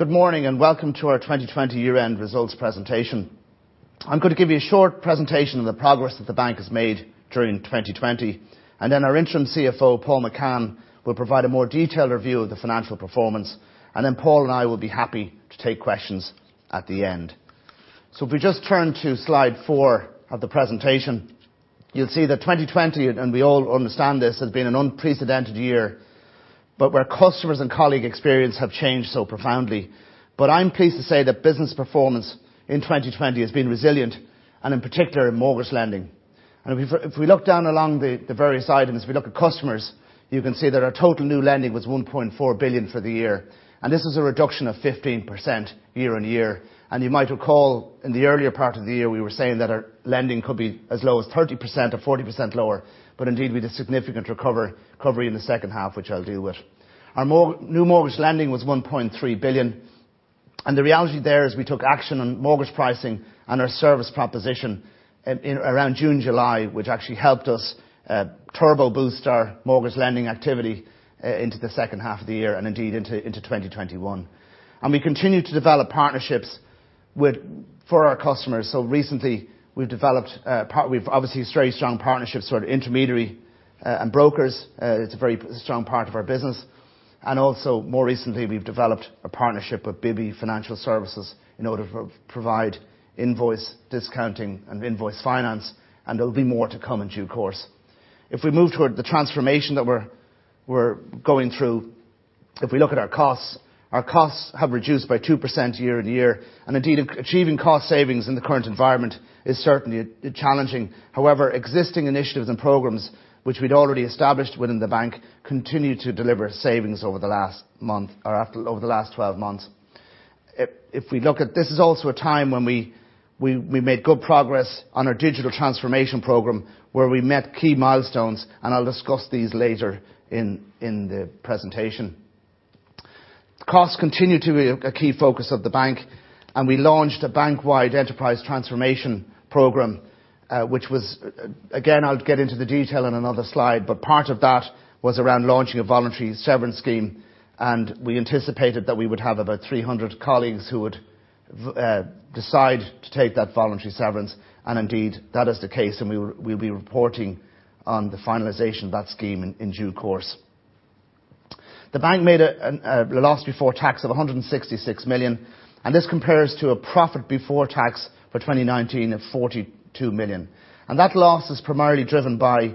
Good morning, and welcome to our 2020 year-end results presentation. I'm going to give you a short presentation on the progress that the bank has made during 2020, and then our interim CFO, Paul McCann, will provide a more detailed review of the financial performance. Paul and I will be happy to take questions at the end. If we just turn to Slide four of the presentation, you'll see that 2020, and we all understand this, has been an unprecedented year, but where customers' and colleague experience have changed so profoundly. I'm pleased to say that business performance in 2020 has been resilient, and in particular, in mortgage lending. If we look down along the various items, if we look at customers, you can see that our total new lending was 1.4 billion for the year, this was a reduction of 15% year-on-year. You might recall, in the earlier part of the year, we were saying that our lending could be as low as 30% or 40% lower, but indeed, we had a significant recovery in the second half, which I'll deal with. Our new mortgage lending was 1.3 billion, and the reality there is we took action on mortgage pricing and our service proposition around June, July, which actually helped us turbo boost our mortgage lending activity into the second half of the year, and indeed, into 2021. We continued to develop partnerships for our customers. Recently, we've obviously a very strong partnership, sort of intermediary and brokers. It's a very strong part of our business. Also, more recently, we've developed a partnership with Bibby Financial Services in order to provide invoice discounting and invoice finance, and there'll be more to come in due course. If we move toward the transformation that we're going through, if we look at our costs, our costs have reduced by 2% year on year, and indeed, achieving cost savings in the current environment is certainly challenging. However, existing initiatives and programs which we'd already established within the bank continued to deliver savings over the last month or over the last 12 months. This is also a time when we made good progress on our digital transformation program, where we met key milestones, and I'll discuss these later in the presentation. Costs continue to be a key focus of the bank. We launched a bank-wide enterprise transformation program, which was, again, I'll get into the detail in another slide, but part of that was around launching a voluntary severance scheme, and we anticipated that we would have about 300 colleagues who would decide to take that voluntary severance. Indeed, that is the case, and we will be reporting on the finalization of that scheme in due course. The bank made a loss before tax of 166 million. This compares to a profit before tax for 2019 of 42 million. That loss is primarily driven by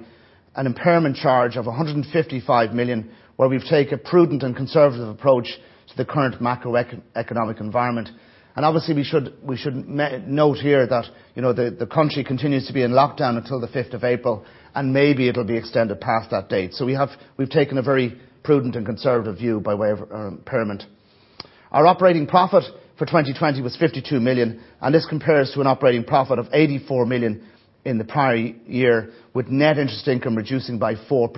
an impairment charge of 155 million, where we've taken a prudent and conservative approach to the current macroeconomic environment. Obviously, we should note here that the country continues to be in lockdown until the 5th of April, and maybe it'll be extended past that date. We've taken a very prudent and conservative view by way of our impairment. Our operating profit for 2020 was 52 million, and this compares to an operating profit of 84 million in the prior year, with net interest income reducing by 4%.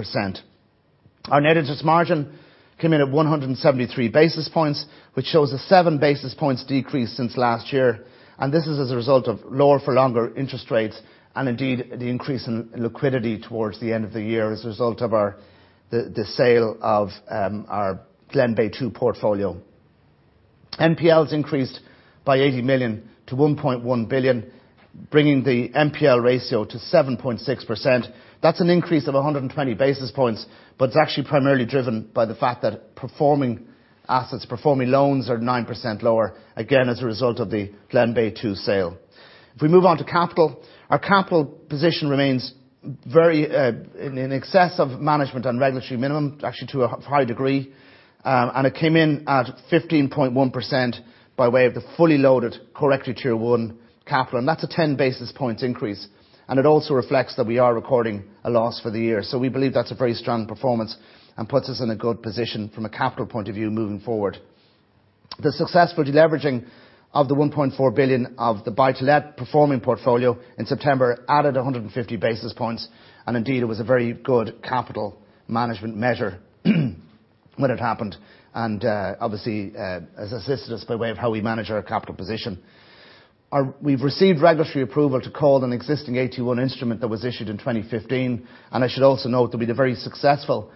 Our net interest margin came in at 173 basis points, which shows a seven basis points decrease since last year, and this is as a result of lower for longer interest rates and indeed, the increase in liquidity towards the end of the year as a result of the sale of our Glenbeigh Two portfolio. NPLs increased by 80 million to 1.1 billion, bringing the NPL ratio to 7.6%. That's an increase of 120 basis points, it's actually primarily driven by the fact that performing assets, performing loans are 9% lower, again, as a result of the Glenbeigh Two sale. If we move on to capital, our capital position remains in excess of management and regulatory minimum, actually to a high degree, it came in at 15.1% by way of the fully loaded Core Equity Tier 1 capital, that's a 10 basis points increase, it also reflects that we are recording a loss for the year. We believe that's a very strong performance puts us in a good position from a capital point of view moving forward. The successful deleveraging of the 1.4 billion of the buy-to-let performing portfolio in September added 150 basis points, and indeed, it was a very good capital management measure when it happened, and obviously, has assisted us by way of how we manage our capital position. We've received regulatory approval to call an existing AT1 instrument that was issued in 2015, and I should also note there'll be the very successful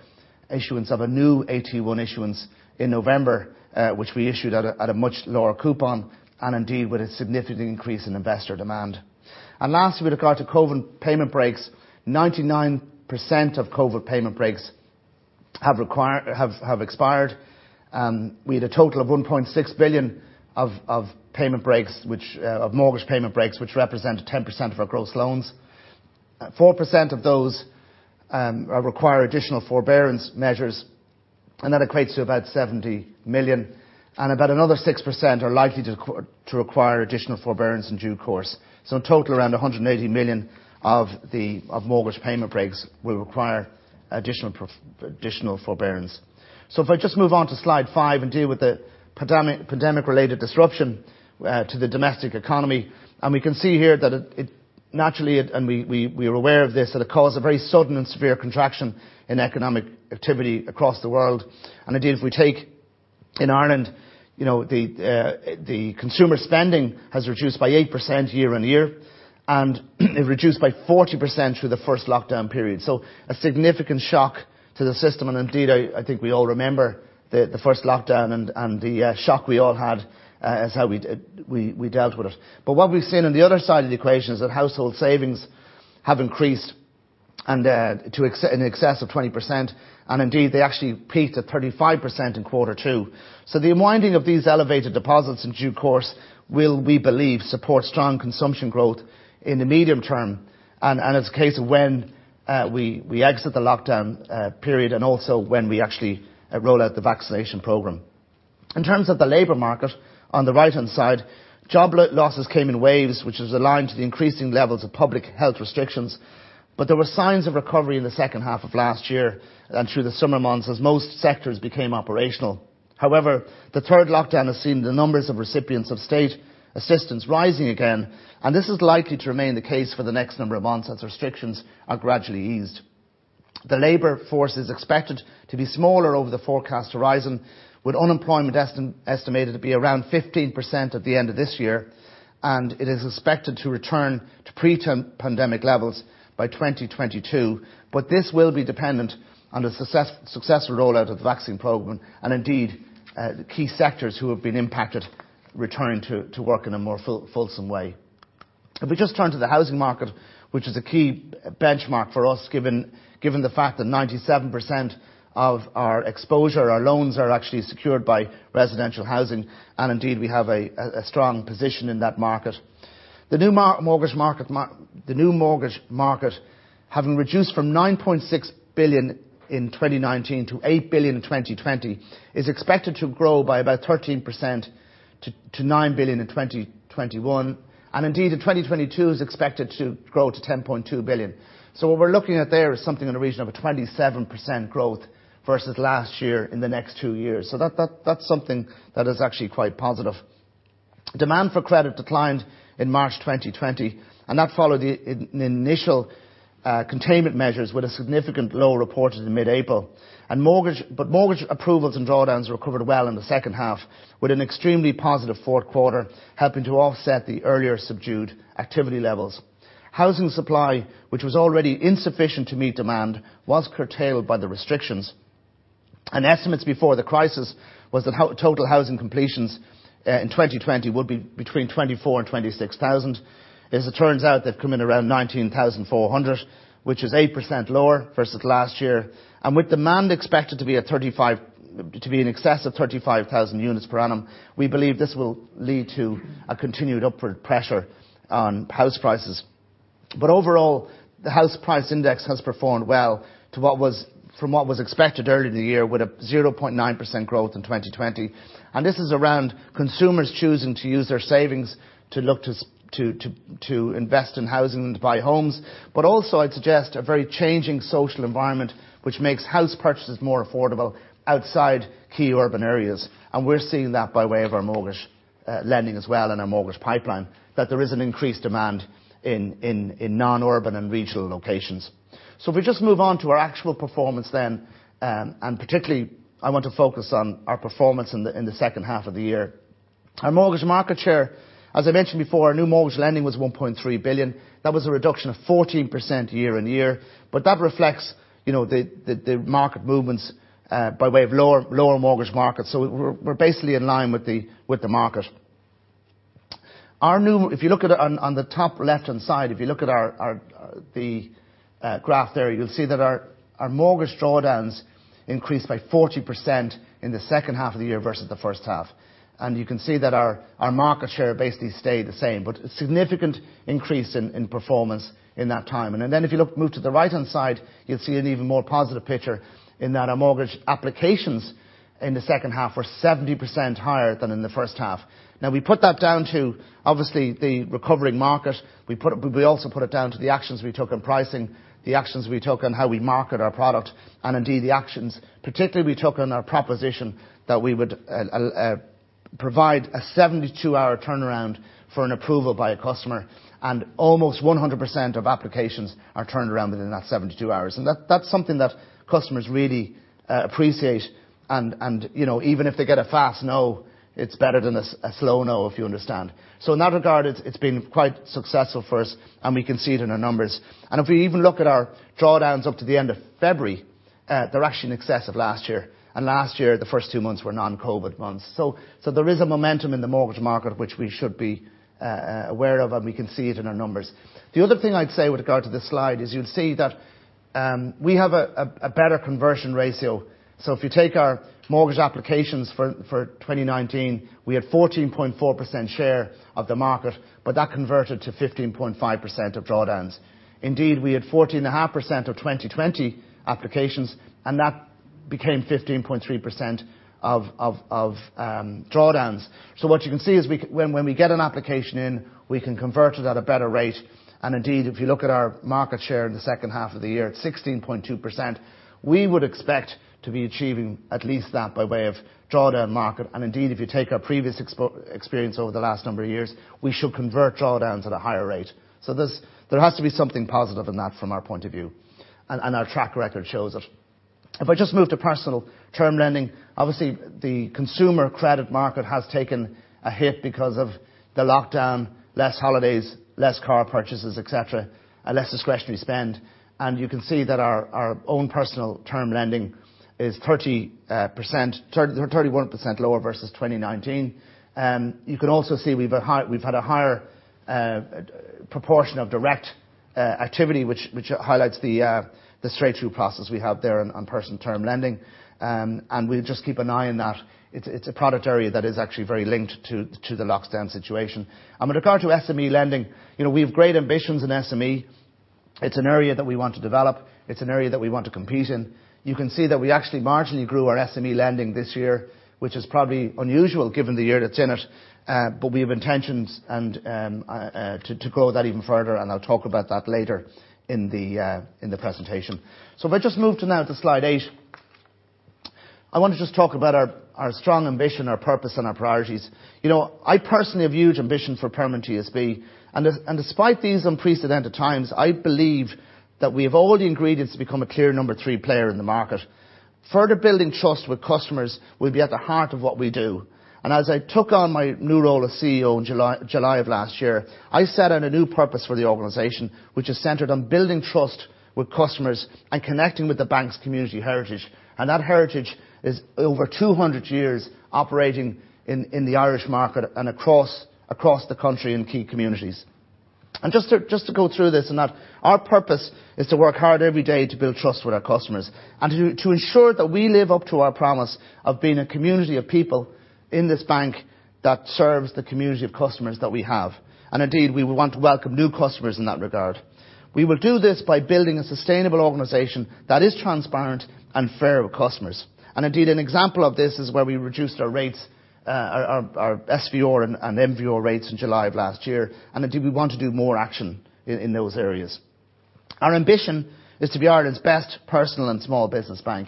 issuance of a new AT1 issuance in November, which we issued at a much lower coupon and indeed, with a significant increase in investor demand. Lastly, with regard to COVID payment breaks, 99% of COVID payment breaks have expired. We had a total of 1.6 billion of mortgage payment breaks, which represent 10% of our gross loans. 4% of those require additional forbearance measures. That equates to about 70 million. About another 6% are likely to require additional forbearance in due course. In total, around 180 million of mortgage payment breaks will require additional forbearance. If I just move on to Slide five and deal with the pandemic-related disruption to the domestic economy, and we can see here that it naturally, and we are aware of this, that it caused a very sudden and severe contraction in economic activity across the world. Indeed, in Ireland, consumer spending has reduced by 8% year-over-year. It reduced by 40% through the first lockdown period. A significant shock to the system. Indeed, I think we all remember the first lockdown and the shock we all had as how we dealt with it. What we've seen on the other side of the equation is that household savings have increased in excess of 20%, and indeed, they actually peaked at 35% in quarter 2. The unwinding of these elevated deposits in due course will, we believe, support strong consumption growth in the medium term, and as case when we exit the lockdown period, and also when we actually roll out the vaccination program. In terms of the labor market, on the right-hand side, job losses came in waves, which was aligned to the increasing levels of public health restrictions, but there were signs of recovery in the second half of last year and through the summer months as most sectors became operational. The third lockdown has seen the numbers of recipients of state assistance rising again, and this is likely to remain the case for the next number of months as restrictions are gradually eased. The labor force is expected to be smaller over the forecast horizon, with unemployment estimated to be around 15% at the end of this year, and it is expected to return to pre-pandemic levels by 2022. This will be dependent on the successful rollout of the vaccine program, and indeed, the key sectors who have been impacted returning to work in a more fulsome way. If we just turn to the housing market, which is a key benchmark for us, given the fact that 97% of our exposure, our loans, are actually secured by residential housing, and indeed, we have a strong position in that market. The new mortgage market, having reduced from 9.6 billion in 2019 to 8 billion in 2020, is expected to grow by about 13% to 9 billion in 2021, and indeed, in 2022 is expected to grow to 10.2 billion. What we're looking at there is something in the region of a 27% growth versus last year in the next two years. That's something that is actually quite positive. Demand for credit declined in March 2020, and that followed the initial containment measures with a significant low reported in mid-April. Mortgage approvals and drawdowns recovered well in the second half, with an extremely positive fourth quarter helping to offset the earlier subdued activity levels. Housing supply, which was already insufficient to meet demand, was curtailed by the restrictions, and estimates before the crisis was that total housing completions, in 2020 would be between 24,000 and 26,000. As it turns out, they've come in around 19,400, which is 8% lower versus last year. With demand expected to be in excess of 35,000 units per annum, we believe this will lead to a continued upward pressure on house prices. Overall, the house price index has performed well from what was expected earlier in the year, with a 0.9% growth in 2020. This is around consumers choosing to use their savings to look to invest in housing and to buy homes. Also, I'd suggest, a very changing social environment, which makes house purchases more affordable outside key urban areas. We're seeing that by way of our mortgage lending as well and our mortgage pipeline, that there is an increased demand in non-urban and regional locations. If we just move on to our actual performance then, and particularly, I want to focus on our performance in the second half of the year. Our mortgage market share, as I mentioned before, our new mortgage lending was 1.3 billion. That was a reduction of 14% year-on-year, but that reflects the market movements, by way of lower mortgage market. We're basically in line with the market. If you look at on the top left-hand side, if you look at the graph there, you'll see that our mortgage drawdowns increased by 40% in the second half of the year versus the first half. You can see that our market share basically stayed the same, but a significant increase in performance in that time. If you move to the right-hand side, you'll see an even more positive picture in that our mortgage applications in the second half were 70% higher than in the first half. We put that down to, obviously, the recovering market, but we also put it down to the actions we took in pricing, the actions we took on how we market our product, and indeed, the actions particularly we took on our proposition that we would provide a 72-hour turnaround for an approval by a customer, and almost 100% of applications are turned around within that 72 hours. That's something that customers really appreciate, and even if they get a fast no, it's better than a slow no, if you understand. In that regard, it's been quite successful for us, and we can see it in our numbers. If we even look at our drawdowns up to the end of February, they're actually in excess of last year, and last year, the first two months were non-COVID months. There is a momentum in the mortgage market which we should be aware of, and we can see it in our numbers. The other thing I'd say with regard to this slide is you'll see that we have a better conversion ratio. If you take our mortgage applications for 2019, we had 14.4% share of the market, but that converted to 15.5% of drawdowns. Indeed, we had 14.5% of 2020 applications, and that became 15.3% of drawdowns. What you can see is when we get an application in, we can convert it at a better rate. Indeed, if you look at our market share in the second half of the year at 16.2%, we would expect to be achieving at least that by way of drawdown market. Indeed, if you take our previous experience over the last number of years, we should convert drawdowns at a higher rate. There has to be something positive in that from our point of view, and our track record shows it. If I just move to personal term lending, obviously, the consumer credit market has taken a hit because of the lockdown, less holidays, less car purchases, et cetera, and less discretionary spend. You can see that our own personal term lending is 31% lower versus 2019. You can also see we've had a higher proportion of direct activity, which highlights the straight-through process we have there on personal term lending. We'll just keep an eye on that. It's a product area that is actually very linked to the lockdown situation. With regard to SME lending, we have great ambitions in SME. It's an area that we want to develop. It's an area that we want to compete in. You can see that we actually marginally grew our SME lending this year, which is probably unusual given the year that's in it. We have intentions to grow that even further, and I'll talk about that later in the presentation. If I just move to now to slide eight, I want to just talk about our strong ambition, our purpose, and our priorities. I personally have huge ambition for Permanent TSB, and despite these unprecedented times, I believe that we have all the ingredients to become a clear number three player in the market. Further building trust with customers will be at the heart of what we do. As I took on my new role as CEO in July of last year, I set out a new purpose for the organization, which is centered on building trust with customers and connecting with the bank's community heritage. That heritage is over 200 years operating in the Irish market and across the country in key communities. Just to go through this and that, our purpose is to work hard every day to build trust with our customers and to ensure that we live up to our promise of being a community of people in this bank that serves the community of customers that we have. Indeed, we want to welcome new customers in that regard. We will do this by building a sustainable organization that is transparent and fair with customers. Indeed, an example of this is where we reduced our SVR and MVR rates in July of last year, and indeed, we want to do more action in those areas. Our ambition is to be Ireland's best personal and small business bank.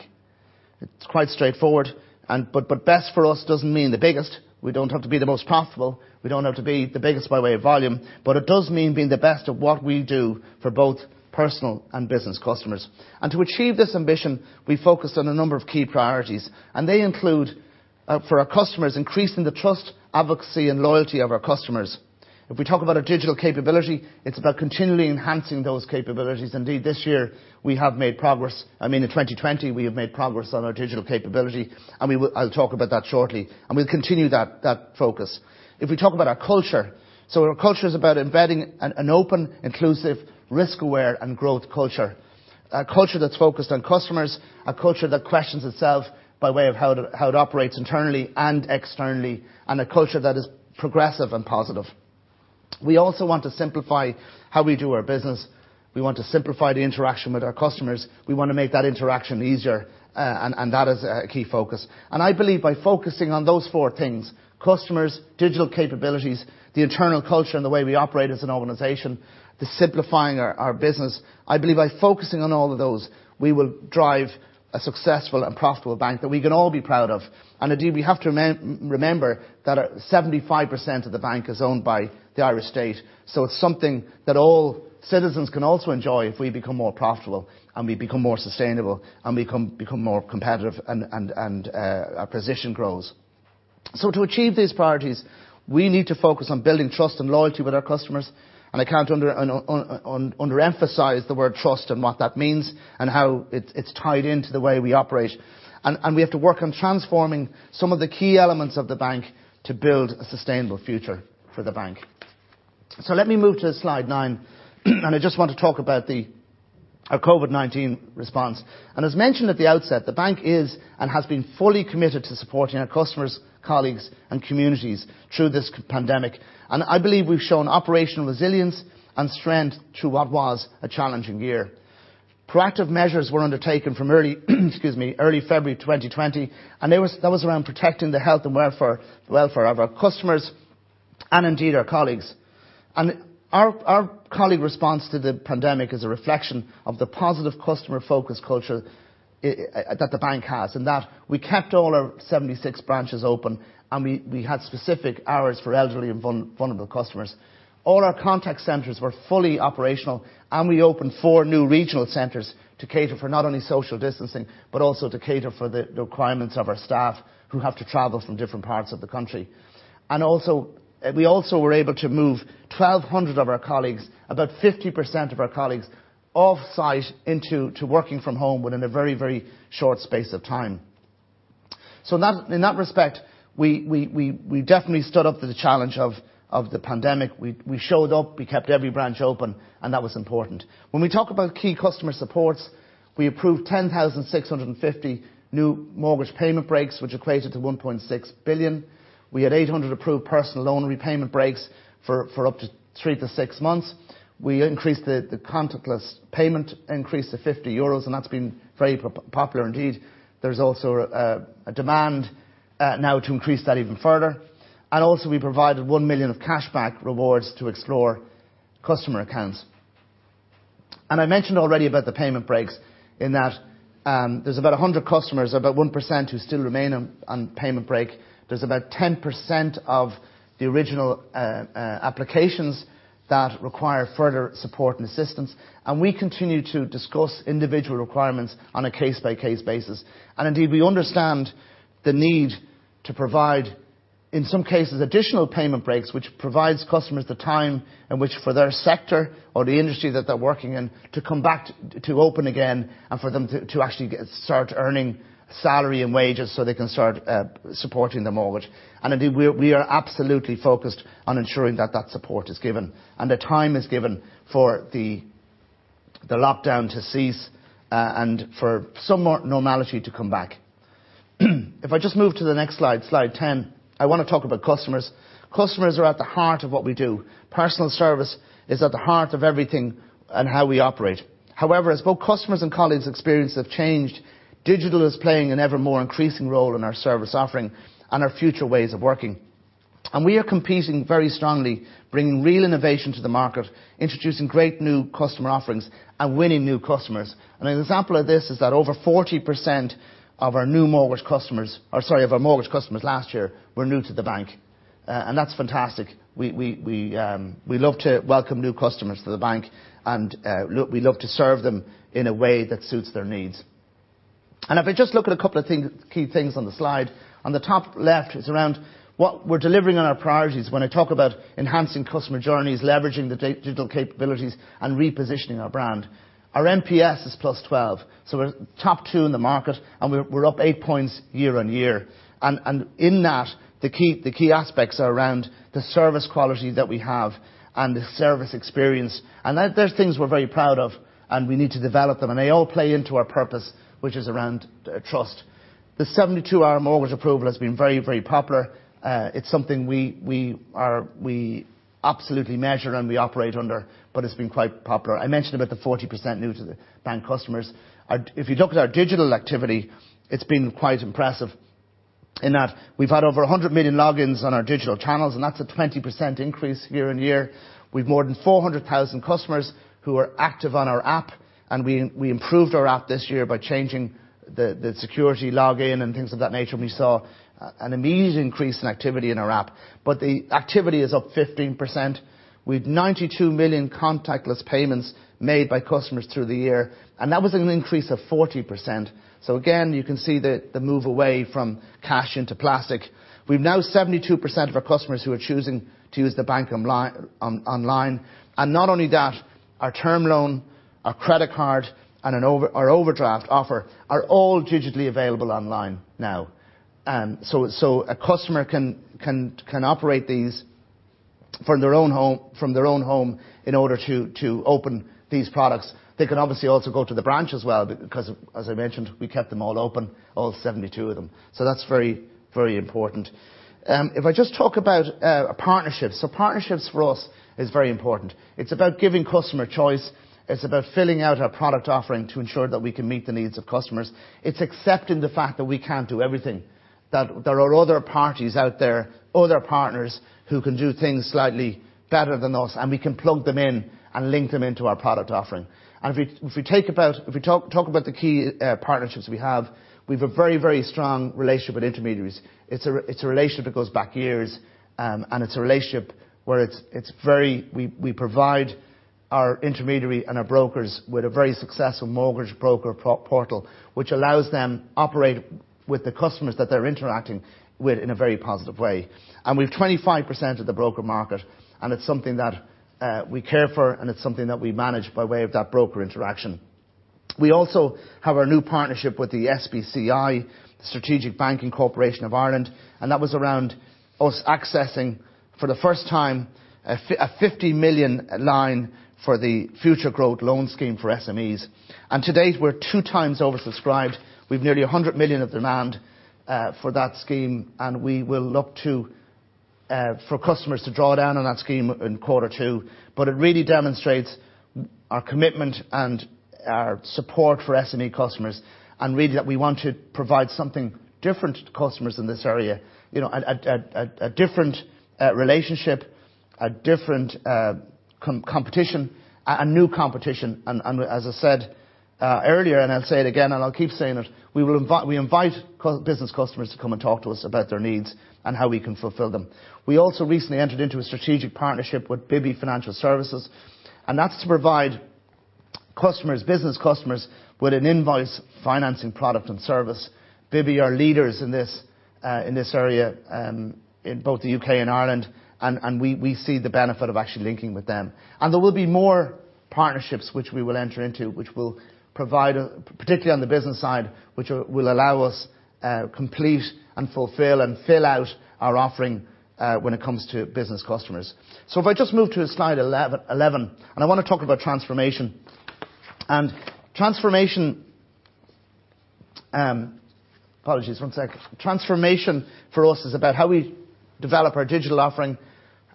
It's quite straightforward, but best for us doesn't mean the biggest. We don't have to be the most profitable. We don't have to be the biggest by way of volume, but it does mean being the best at what we do for both personal and business customers. To achieve this ambition, we focus on a number of key priorities, and they include, for our customers, increasing the trust, advocacy, and loyalty of our customers. If we talk about our digital capability, it's about continually enhancing those capabilities. Indeed, this year we have made progress. I mean, in 2020, we have made progress on our digital capability, and I'll talk about that shortly, and we'll continue that focus. If we talk about our culture, so our culture is about embedding an open, inclusive, risk-aware, and growth culture, a culture that's focused on customers, a culture that questions itself by way of how it operates internally and externally, and a culture that is progressive and positive. We also want to simplify how we do our business. We want to simplify the interaction with our customers. We want to make that interaction easier, and that is a key focus. I believe by focusing on those four things, customers, digital capabilities, the internal culture, and the way we operate as an organization, the simplifying our business, I believe by focusing on all of those, we will drive a successful and profitable bank that we can all be proud of. Indeed, we have to remember that 75% of the bank is owned by the Irish state, so it's something that all citizens can also enjoy if we become more profitable and we become more sustainable and we become more competitive and our position grows. To achieve these priorities, we need to focus on building trust and loyalty with our customers, and I can't underemphasize the word trust and what that means and how it's tied into the way we operate. We have to work on transforming some of the key elements of the bank to build a sustainable future for the bank. Let me move to slide nine, and I just want to talk about our COVID-19 response. As mentioned at the outset, the bank is and has been fully committed to supporting our customers, colleagues, and communities through this pandemic. I believe we've shown operational resilience and strength through what was a challenging year. Proactive measures were undertaken from early, excuse me, February 2020, and that was around protecting the health and welfare of our customers and indeed our colleagues. Our colleague response to the pandemic is a reflection of the positive customer-focused culture that the bank has, in that we kept all our 76 branches open, and we had specific hours for elderly and vulnerable customers. All our contact centers were fully operational, we opened four new regional centers to cater for not only social distancing, but also to cater for the requirements of our staff who have to travel from different parts of the country. We also were able to move 1,200 of our colleagues, about 50% of our colleagues, off-site into working from home within a very short space of time. In that respect, we definitely stood up to the challenge of the pandemic. We showed up. We kept every branch open, and that was important. When we talk about key customer supports, we approved 10,650 new mortgage payment breaks, which equated to 1.6 billion. We had 800 approved personal loan repayment breaks for up to three to six months. We increased the contactless payment increase to 50 euros, and that's been very popular indeed. There's also a demand now to increase that even further. We provided 1 million of cashback rewards to Explore customer accounts. I mentioned already about the payment breaks in that there's about 100 customers, about 1%, who still remain on payment break. There's about 10% of the original applications that require further support and assistance. We continue to discuss individual requirements on a case-by-case basis. We understand the need to provide in some cases, additional payment breaks, which provides customers the time in which for their sector or the industry that they're working in, to come back, to open again, and for them to actually start earning salary and wages so they can start supporting the mortgage. Indeed, we are absolutely focused on ensuring that that support is given, and the time is given for the lockdown to cease, and for some more normality to come back. If I just move to the next slide 10, I want to talk about customers. Customers are at the heart of what we do. Personal service is at the heart of everything and how we operate. However, as both customers and colleagues' experience have changed, digital is playing an ever more increasing role in our service offering and our future ways of working. We are competing very strongly, bringing real innovation to the market, introducing great new customer offerings, and winning new customers. An example of this is that over 40% of our mortgage customers last year were new to the bank, and that's fantastic. We love to welcome new customers to the bank, and we love to serve them in a way that suits their needs. If I just look at a couple of key things on the slide, on the top left is around what we're delivering on our priorities when I talk about enhancing customer journeys, leveraging the digital capabilities, and repositioning our brand. Our NPS is plus 12, so we're top two in the market, and we're up eight points year-on-year. In that, the key aspects are around the service quality that we have and the service experience. They're things we're very proud of, and we need to develop them, and they all play into our purpose, which is around trust. The 72-hour mortgage approval has been very, very popular. It's something we absolutely measure and we operate under, but it's been quite popular. I mentioned about the 40% new to the bank customers. If you look at our digital activity, it's been quite impressive in that we've had over 100 million logins on our digital channels, and that's a 20% increase year on year. We've more than 400,000 customers who are active on our app, and we improved our app this year by changing the security login and things of that nature, and we saw an immediate increase in activity in our app. The activity is up 15%. We've 92 million contactless payments made by customers through the year, and that was an increase of 40%. Again, you can see the move away from cash into plastic. We've now 72% of our customers who are choosing to use the bank online. Not only that, our term loan, our credit card, and our overdraft offer are all digitally available online now. A customer can operate these from their own home in order to open these products. They can obviously also go to the branch as well because, as I mentioned, we kept them all open, all 72 of them. That's very important. If I just talk about partnerships, so partnerships for us is very important. It's about giving customer choice. It's about filling out our product offering to ensure that we can meet the needs of customers. It's accepting the fact that we can't do everything, that there are other parties out there, other partners, who can do things slightly better than us, and we can plug them in and link them into our product offering. If we talk about the key partnerships we have, we've a very, very strong relationship with intermediaries. It's a relationship that goes back years, and it's a relationship where we provide our intermediary and our brokers with a very successful mortgage broker portal, which allows them operate with the customers that they're interacting with in a very positive way. We've 25% of the broker market, and it's something that we care for, and it's something that we manage by way of that broker interaction. We also have our new partnership with the SBCI, the Strategic Banking Corporation of Ireland, and that was around us accessing, for the first time, a 50 million line for the Future Growth Loan Scheme for SMEs. To date, we're two times oversubscribed. We've nearly 100 million of demand for that scheme, and we will look for customers to draw down on that scheme in quarter two. It really demonstrates our commitment and our support for SME customers, and really, that we want to provide something different to customers in this area. A different relationship, a different competition, a new competition. As I said earlier, and I'll say it again, and I'll keep saying it, we invite business customers to come and talk to us about their needs and how we can fulfill them. We also recently entered into a strategic partnership with Bibby Financial Services, and that's to provide business customers with an invoice financing product and service. Bibby are leaders in this area, in both the U.K. and Ireland, and we see the benefit of actually linking with them. There will be more partnerships which we will enter into, particularly on the business side, which will allow us complete and fulfill and fill out our offering when it comes to business customers. If I just move to slide 11, I want to talk about transformation. Transformation, apologies, one second. Transformation for us is about how we develop our digital offering,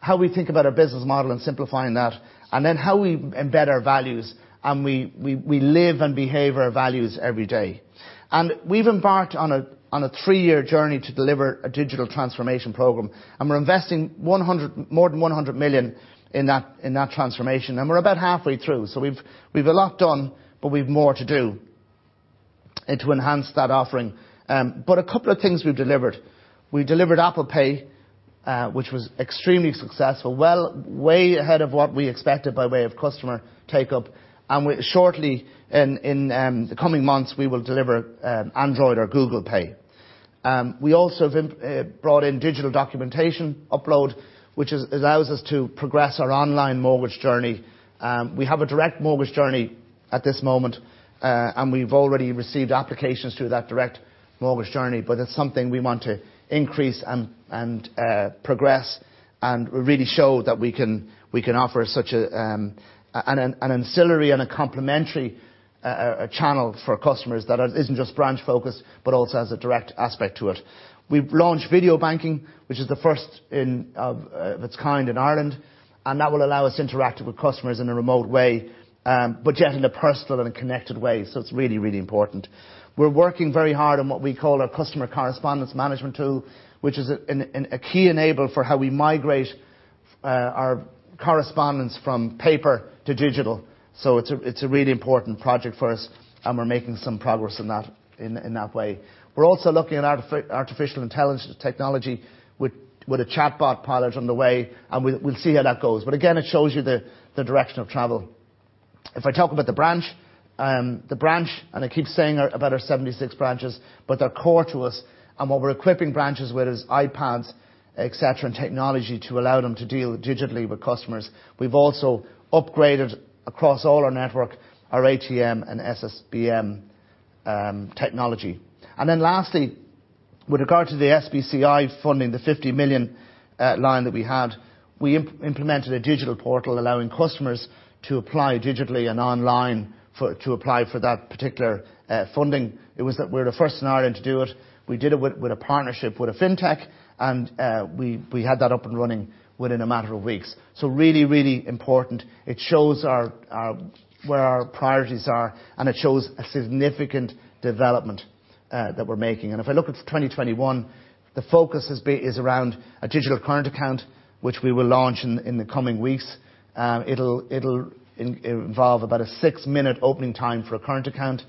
how we think about our business model and simplifying that, and then how we embed our values, and we live and behave our values every day. We've embarked on a three-year journey to deliver a digital transformation program, and we're investing more than 100 million in that transformation, and we're about halfway through. We've a lot done, but we've more to do, and to enhance that offering. A couple of things we've delivered. We delivered Apple Pay, which was extremely successful, way ahead of what we expected by way of customer take-up. Shortly, in the coming months, we will deliver Android Pay or Google Pay. We also have brought in digital documentation upload, which allows us to progress our online mortgage journey. We have a direct mortgage journey at this moment, and we've already received applications through that direct mortgage journey. It's something we want to increase and progress, and really show that we can offer such an ancillary and a complementary channel for customers that isn't just branch-focused, but also has a direct aspect to it. We've launched video banking, which is the first of its kind in Ireland. That will allow us to interact with customers in a remote way, but yet in a personal and connected way. It's really, really important. We're working very hard on what we call our customer correspondence management tool, which is a key enabler for how we migrate our correspondence from paper to digital. It's a really important project for us, and we're making some progress in that way. We're also looking at artificial intelligence technology, with a chatbot pilot on the way, and we'll see how that goes. Again, it shows you the direction of travel. If I talk about the branch, I keep saying about our 76 branches, but they're core to us, and what we're equipping branches with is iPads, et cetera, and technology to allow them to deal digitally with customers. We've also upgraded across all our network, our ATM and SSBM technology. Lastly, with regard to the SBCI funding, the 50 million line that we had, we implemented a digital portal allowing customers to apply digitally and online to apply for that particular funding. We're the first in Ireland to do it. We did it with a partnership with a fintech, and we had that up and running within a matter of weeks. Really important. It shows where our priorities are, and it shows a significant development that we're making. If I look at 2021, the focus is around a digital current account, which we will launch in the coming weeks. It'll involve about a six-minute opening time for a current account.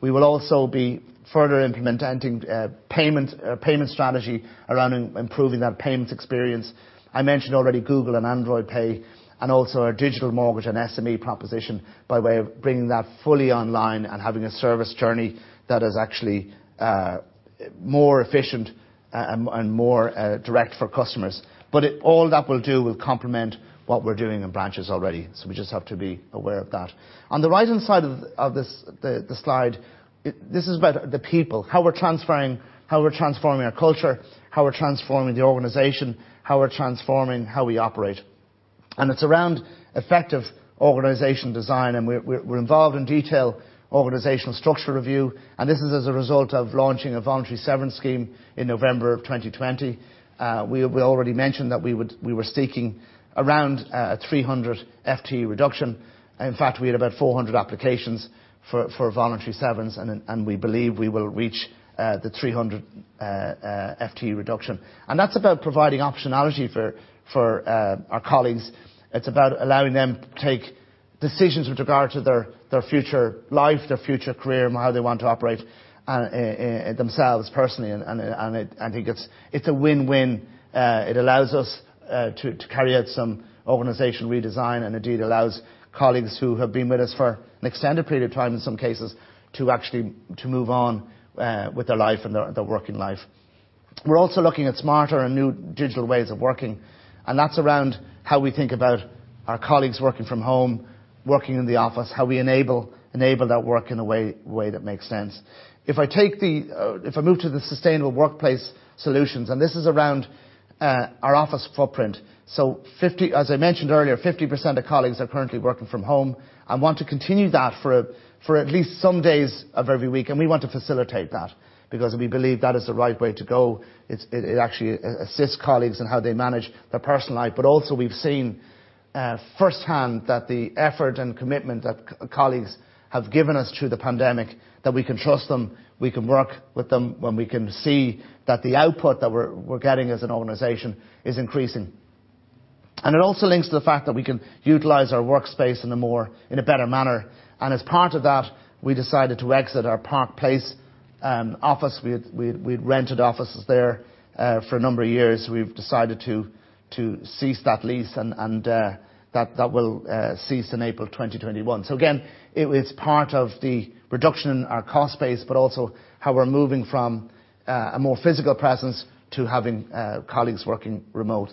We will also be further implementing a payment strategy around improving that payments experience. I mentioned already Google and Android Pay, and also our digital mortgage and SME proposition, by way of bringing that fully online and having a service journey that is actually more efficient and more direct for customers. All that will do will complement what we're doing in branches already. We just have to be aware of that. On the right-hand side of the slide, this is about the people, how we're transforming our culture, how we're transforming the organization, how we're transforming how we operate. It's around effective organization design, and we're involved in detail organizational structure review, and this is as a result of launching a voluntary severance scheme in November of 2020. We already mentioned that we were seeking around a 300 FTE reduction. In fact, we had about 400 applications for voluntary severance, and we believe we will reach the 300 FTE reduction. That's about providing optionality for our colleagues. It's about allowing them to take decisions with regard to their future life, their future career, and how they want to operate themselves personally. I think it's a win-win. It allows us to carry out some organizational redesign, and indeed allows colleagues who have been with us for an extended period of time in some cases, to actually move on with their life and their working life. We're also looking at smarter and new digital ways of working, and that's around how we think about our colleagues working from home, working in the office, how we enable that work in a way that makes sense. If I move to the sustainable workplace solutions, and this is around our office footprint. As I mentioned earlier, 50% of colleagues are currently working from home and want to continue that for at least some days of every week, and we want to facilitate that because we believe that is the right way to go. It actually assists colleagues in how they manage their personal life. Also we've seen firsthand that the effort and commitment that colleagues have given us through the pandemic, that we can trust them, we can work with them when we can see that the output that we're getting as an organization is increasing. It also links to the fact that we can utilize our workspace in a better manner. As part of that, we decided to exit our Park Place office. We'd rented offices there for a number of years. We've decided to cease that lease, and that will cease in April 2021. Again, it's part of the reduction in our cost base, but also how we're moving from a more physical presence to having colleagues working remote.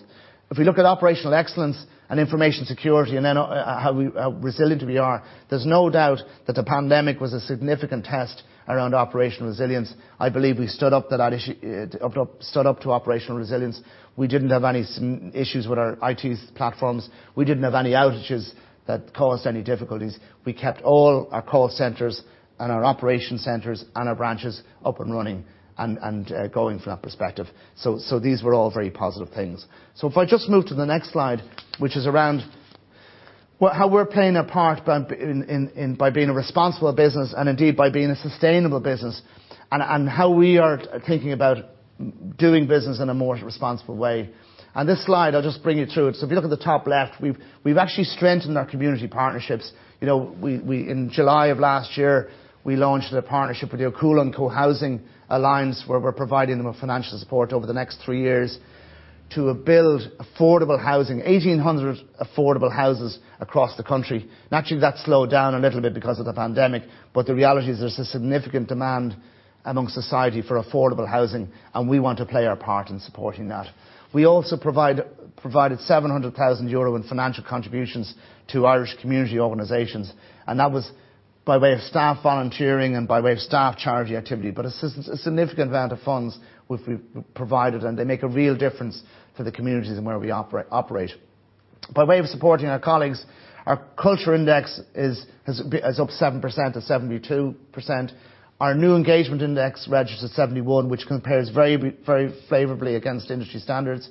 If we look at operational excellence and information security, how resilient we are, there's no doubt that the pandemic was a significant test around operational resilience. I believe we stood up to operational resilience. We didn't have any issues with our IT platforms. We didn't have any outages that caused any difficulties. We kept all our call centers and our operation centers and our branches up and running and going from that perspective. These were all very positive things. If I just move to the next slide, which is around how we're playing a part by being a responsible business and indeed by being a sustainable business, and how we are thinking about doing business in a more responsible way. This slide, I'll just bring you through it. If you look at the top left, we've actually strengthened our community partnerships. In July of last year, we launched a partnership with the Ó Cualann Cohousing Alliance, where we're providing them with financial support over the next three years to build affordable housing, 1,800 affordable houses across the country. Actually, that slowed down a little bit because of the pandemic. The reality is there's a significant demand among society for affordable housing, and we want to play our part in supporting that. We also provided €700,000 in financial contributions to Irish community organizations, and that was by way of staff volunteering and by way of staff charity activity, but a significant amount of funds we've provided, and they make a real difference to the communities in where we operate. By way of supporting our colleagues, our culture index is up 7% to 72%. Our new engagement index registered 71, which compares very favorably against industry standards.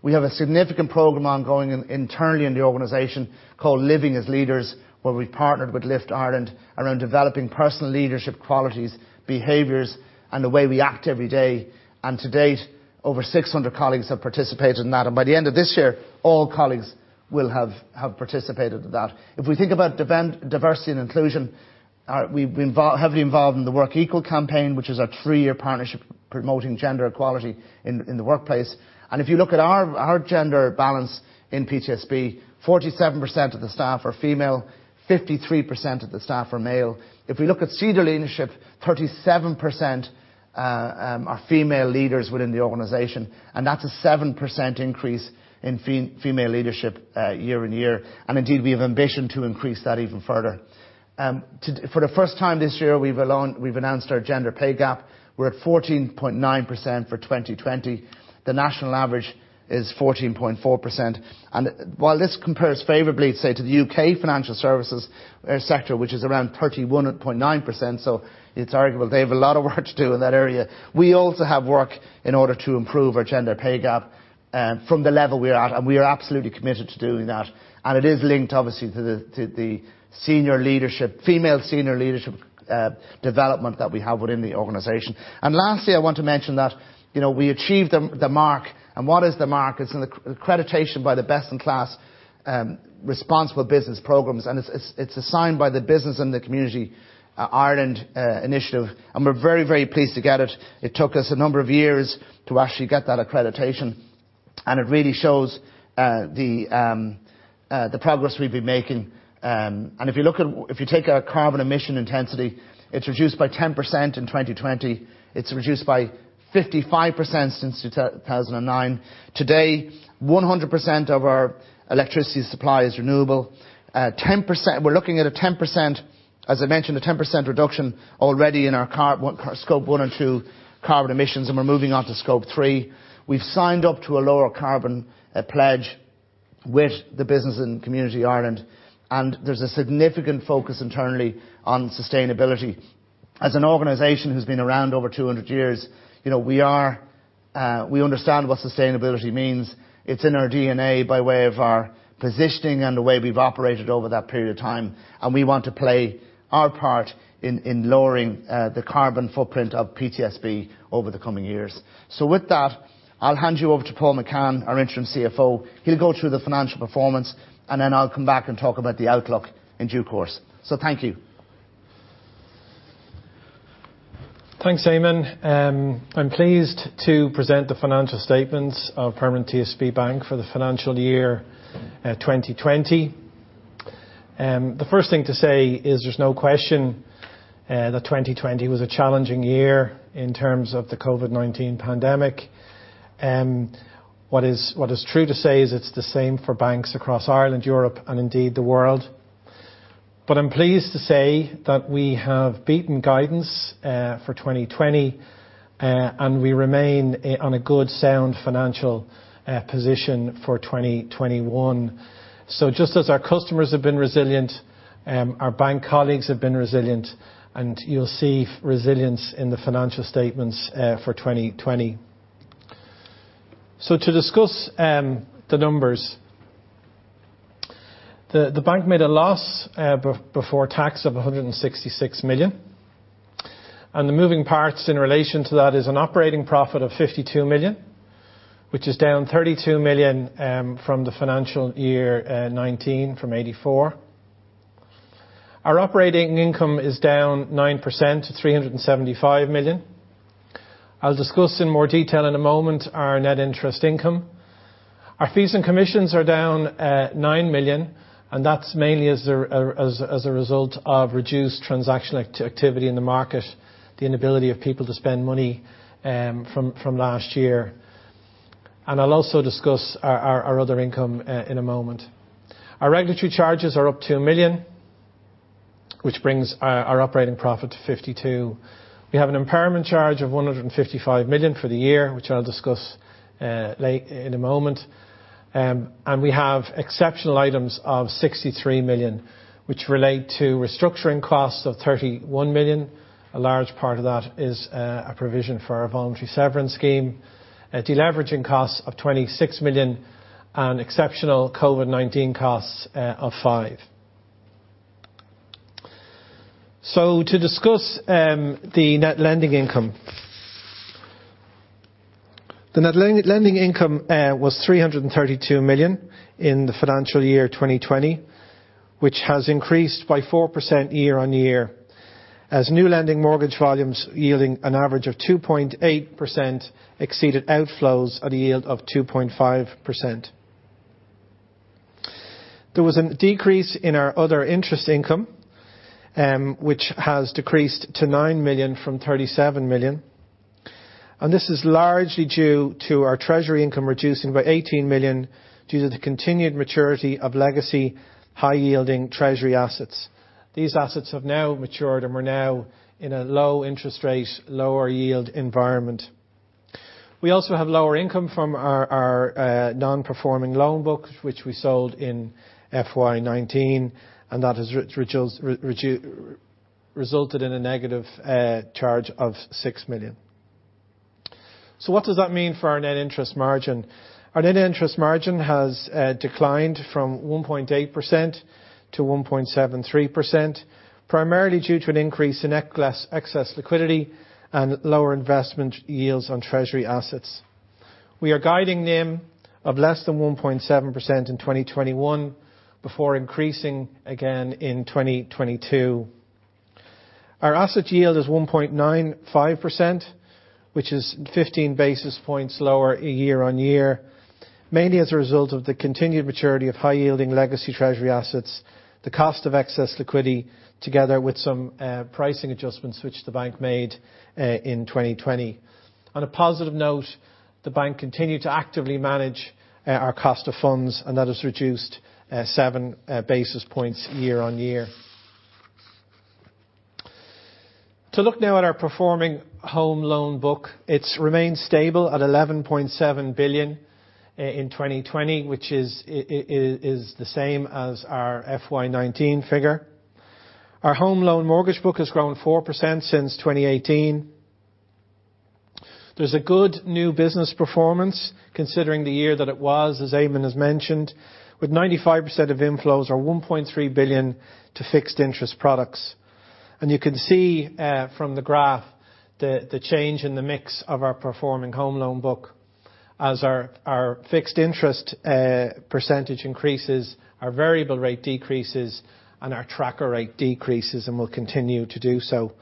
We have a significant program ongoing internally in the organization called Living as Leaders, where we've partnered with LIFT Ireland around developing personal leadership qualities, behaviors, and the way we act every day. To date, over 600 colleagues have participated in that. By the end of this year, all colleagues will have participated in that. If we think about diversity and inclusion, we're heavily involved in the WorkEqual campaign, which is our three-year partnership promoting gender equality in the workplace. If you look at our gender balance in PTSB, 47% of the staff are female, 53% of the staff are male. If we look at senior leadership, 37% are female leaders within the organization, and that's a 7% increase in female leadership year-on-year. Indeed, we have ambition to increase that even further. For the first time this year, we've announced our gender pay gap. We're at 14.9% for 2020. The national average is 14.4%. While this compares favorably to the U.K. financial services sector, which is around 31.9%, so it's arguable they have a lot of work to do in that area. We also have work in order to improve our gender pay gap from the level we are at, and we are absolutely committed to doing that. It is linked, obviously, to the senior leadership, female senior leadership development that we have within the organization. Lastly, I want to mention that we achieved the Mark. What is the Mark? It's an accreditation by the best-in-class responsible business programs. It's assigned by the Business in the Community Ireland initiative, and we're very pleased to get it. It took us a number of years to actually get that accreditation. It really shows the progress we've been making. If you take our carbon emission intensity, it's reduced by 10% in 2020. It's reduced by 55% since 2009. Today, 100% of our electricity supply is renewable. We're looking at a 10%, as I mentioned, 10% reduction already in our scope 1 and 2 carbon emissions. We're moving on to scope 3. We've signed up to a Lower Carbon Pledge with the Business in the Community Ireland. There's a significant focus internally on sustainability. As an organization who's been around over 200 years, we understand what sustainability means. It's in our DNA by way of our positioning and the way we've operated over that period of time, and we want to play our part in lowering the carbon footprint of PTSB over the coming years. With that, I'll hand you over to Paul McCann, our interim CFO. He'll go through the financial performance, and then I'll come back and talk about the outlook in due course. Thank you. Thanks, Eamonn. I'm pleased to present the financial statements of Permanent TSB for the financial year 2020. The first thing to say is there's no question that 2020 was a challenging year in terms of the COVID-19 pandemic. What is true to say is it's the same for banks across Ireland, Europe, and indeed, the world. I'm pleased to say that we have beaten guidance for 2020, and we remain on a good, sound financial position for 2021. Just as our customers have been resilient, our bank colleagues have been resilient, and you'll see resilience in the financial statements for 2020. To discuss the numbers, the bank made a loss before tax of 166 million. The moving parts in relation to that is an operating profit of 52 million, which is down 32 million from FY19, from 84 million. Our operating income is down 9% to 375 million. I'll discuss in more detail in a moment our net interest income. Our fees and commissions are down at 9 million, that's mainly as a result of reduced transaction activity in the market, the inability of people to spend money from last year. I'll also discuss our other income in a moment. Our regulatory charges are up 2 million, which brings our operating profit to 52. We have an impairment charge of 155 million for the year, which I'll discuss in a moment. We have exceptional items of 63 million, which relate to restructuring costs of 31 million. A large part of that is a provision for our voluntary severance scheme, a deleveraging cost of 26 million, and exceptional COVID-19 costs of 5. To discuss the net interest income. The net lending income was 332 million in the financial year 2020, which has increased by 4% year-on-year, as new lending mortgage volumes yielding an average of 2.8% exceeded outflows at a yield of 2.5%. There was a decrease in our other interest income, which has decreased to 9 million from 37 million, and this is largely due to our treasury income reducing by 18 million due to the continued maturity of legacy high-yielding treasury assets. These assets have now matured, and we're now in a low interest rate, lower yield environment. We also have lower income from our non-performing loan book, which we sold in FY19, and that has resulted in a negative charge of 6 million. What does that mean for our net interest margin? Our net interest margin has declined from 1.8% to 1.73%, primarily due to an increase in excess liquidity and lower investment yields on treasury assets. We are guiding NIM of less than 1.7% in 2021 before increasing again in 2022. Our asset yield is 1.95%, which is 15 basis points lower year-on-year, mainly as a result of the continued maturity of high-yielding legacy treasury assets, the cost of excess liquidity, together with some pricing adjustments which the bank made in 2020. On a positive note, the bank continued to actively manage our cost of funds, and that has reduced seven basis points year-on-year. To look now at our performing home loan book, it's remained stable at 11.7 billion in 2020, which is the same as our FY19 figure. Our home loan mortgage book has grown 4% since 2018. There's a good new business performance considering the year that it was, as Eamonn has mentioned, with 95% of inflows or 1.3 billion to fixed interest products. You can see from the graph the change in the mix of our performing home loan book. As our fixed interest percentage increases, our variable rate decreases, and our tracker rate decreases and will continue to do so.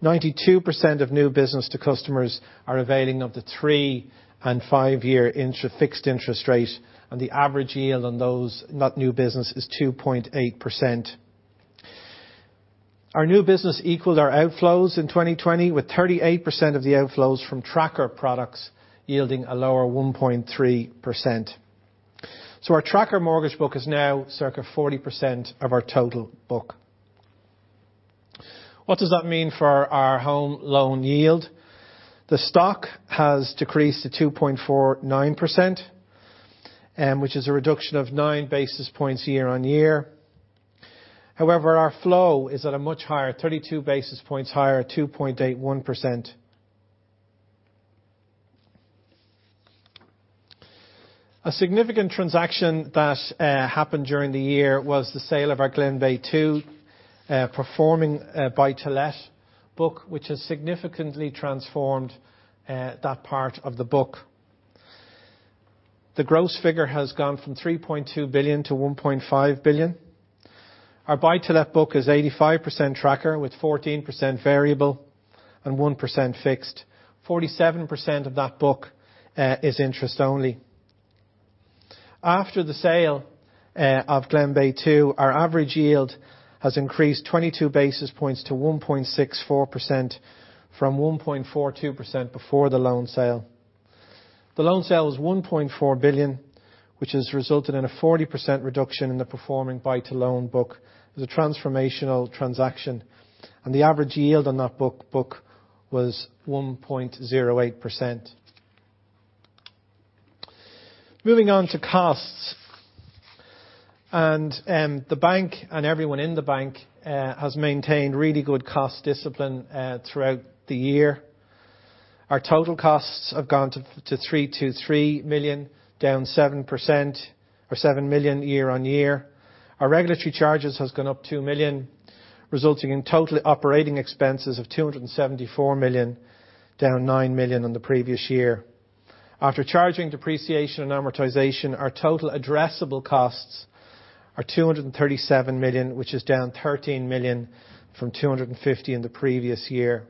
92% of new business to customers are availing of the three and five-year fixed interest rate, and the average yield on those net new business is 2.8%. Our new business equaled our outflows in 2020, with 38% of the outflows from tracker products yielding a lower 1.3%. Our tracker mortgage book is now circa 40% of our total book. What does that mean for our home loan yield? The stock has decreased to 2.49%, which is a reduction of 9 basis points year on year. However, our flow is at a much higher, 32 basis points higher, 2.81%. A significant transaction that happened during the year was the sale of our Glenbeigh Two performing buy-to-let book, which has significantly transformed that part of the book. The gross figure has gone from 3.2 billion to 1.5 billion. Our buy-to-let book is 85% tracker with 14% variable and 1% fixed. 47% of that book is interest only. After the sale of Glenbeigh Two, our average yield has increased 22 basis points to 1.64%, from 1.42% before the loan sale. The loan sale is 1.4 billion, which has resulted in a 40% reduction in the performing buy-to-let book. It was a transformational transaction, and the average yield on that book was 1.08%. Moving on to costs. The bank, and everyone in the bank, has maintained really good cost discipline throughout the year. Our total costs have gone to 323 million, down 7%, or 7 million year-on-year. Our regulatory charges has gone up 2 million, resulting in total operating expenses of 274 million, down 9 million on the previous year. After charging depreciation and amortization, our total addressable costs are 237 million, which is down 13 million from 250 million in the previous year.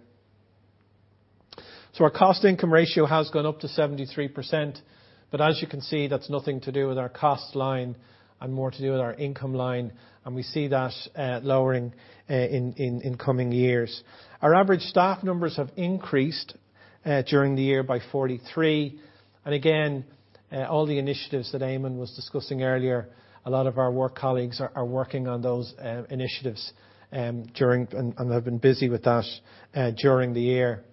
Our cost income ratio has gone up to 73%, as you can see, that's nothing to do with our cost line and more to do with our income line, and we see that lowering in coming years. Our average staff numbers have increased during the year by 43, and again, all the initiatives that Eamonn was discussing earlier, a lot of our work colleagues are working on those initiatives and have been busy with that during the year.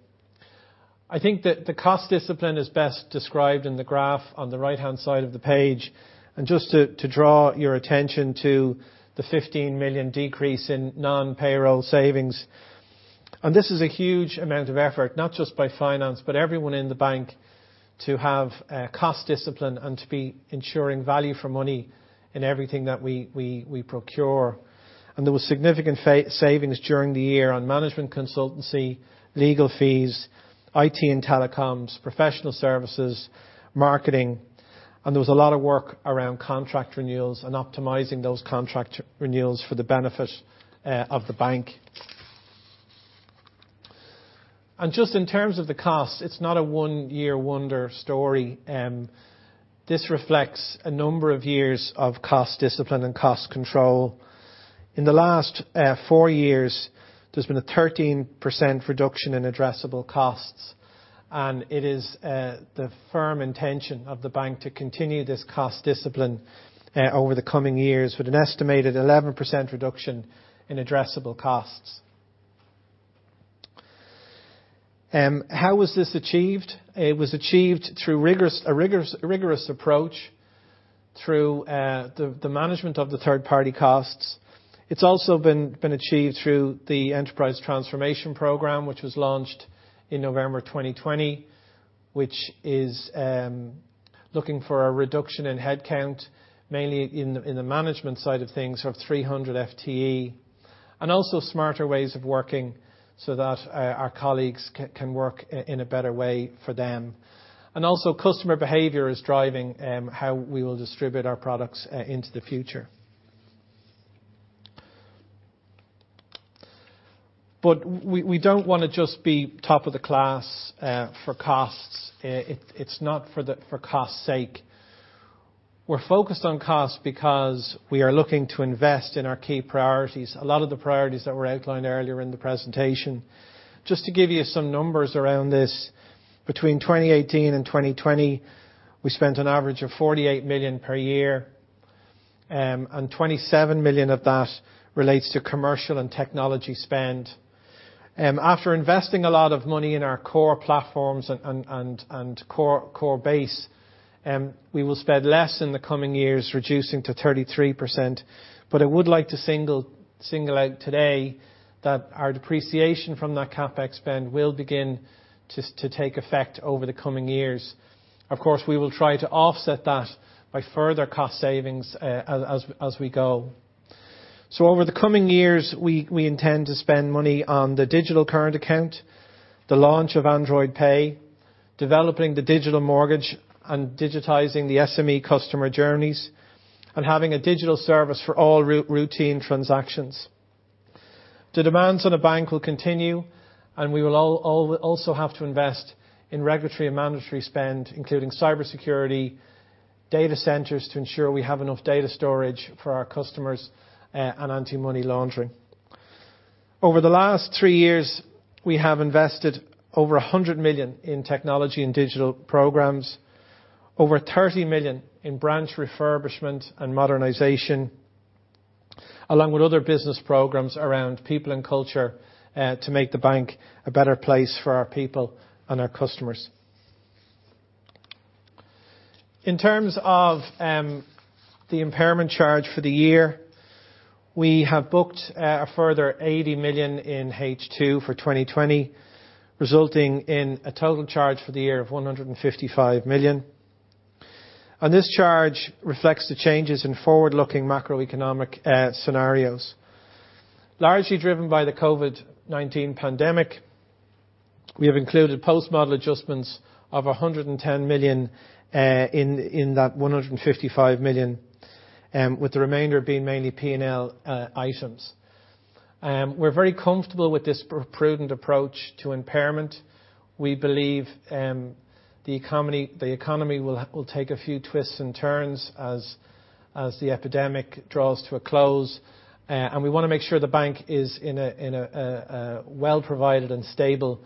I think that the cost discipline is best described in the graph on the right-hand side of the page. Just to draw your attention to the 15 million decrease in non-payroll savings. This is a huge amount of effort, not just by finance, but everyone in the bank, to have cost discipline and to be ensuring value for money in everything that we procure. There was significant savings during the year on management consultancy, legal fees, IT and telecoms, professional services, marketing, and there was a lot of work around contract renewals and optimizing those contract renewals for the benefit of the bank. Just in terms of the cost, it's not a one-year wonder story. This reflects a number of years of cost discipline and cost control. In the last four years, there's been a 13% reduction in addressable costs. It is the firm intention of the bank to continue this cost discipline over the coming years with an estimated 11% reduction in addressable costs. How was this achieved? It was achieved through a rigorous approach through the management of the third-party costs. It's also been achieved through the Enterprise Transformation Program, which was launched in November 2020, which is looking for a reduction in headcount, mainly in the management side of things, of 300 FTE. Smarter ways of working so that our colleagues can work in a better way for them. Customer behavior is driving how we will distribute our products into the future. We don't want to just be top of the class for costs. It's not for cost's sake. We're focused on cost because we are looking to invest in our key priorities, a lot of the priorities that were outlined earlier in the presentation. Just to give you some numbers around this, between 2018 and 2020, we spent an average of 48 million per year, and 27 million of that relates to commercial and technology spend. After investing a lot of money in our core platforms and core base, we will spend less in the coming years, reducing to 33%. I would like to single out today that our depreciation from that CapEx spend will begin to take effect over the coming years. Of course, we will try to offset that by further cost savings as we go. Over the coming years, we intend to spend money on the digital current account, the launch of Android Pay, developing the digital mortgage, and digitizing the SME customer journeys, and having a digital service for all routine transactions. The demands on a bank will continue, and we will also have to invest in regulatory and mandatory spend, including cybersecurity, data centers to ensure we have enough data storage for our customers, and anti-money laundering. Over the last three years, we have invested over 100 million in technology and digital programs, over 30 million in branch refurbishment and modernization, along with other business programs around people and culture, to make the bank a better place for our people and our customers. In terms of the impairment charge for the year, we have booked a further 80 million in H2 for 2020, resulting in a total charge for the year of 155 million. This charge reflects the changes in forward-looking macroeconomic scenarios, largely driven by the COVID-19 pandemic. We have included post-model adjustments of 110 million in that 155 million, with the remainder being mainly P&L items. We're very comfortable with this prudent approach to impairment. We believe the economy will take a few twists and turns as the epidemic draws to a close, we want to make sure the bank is in a well-provided and stable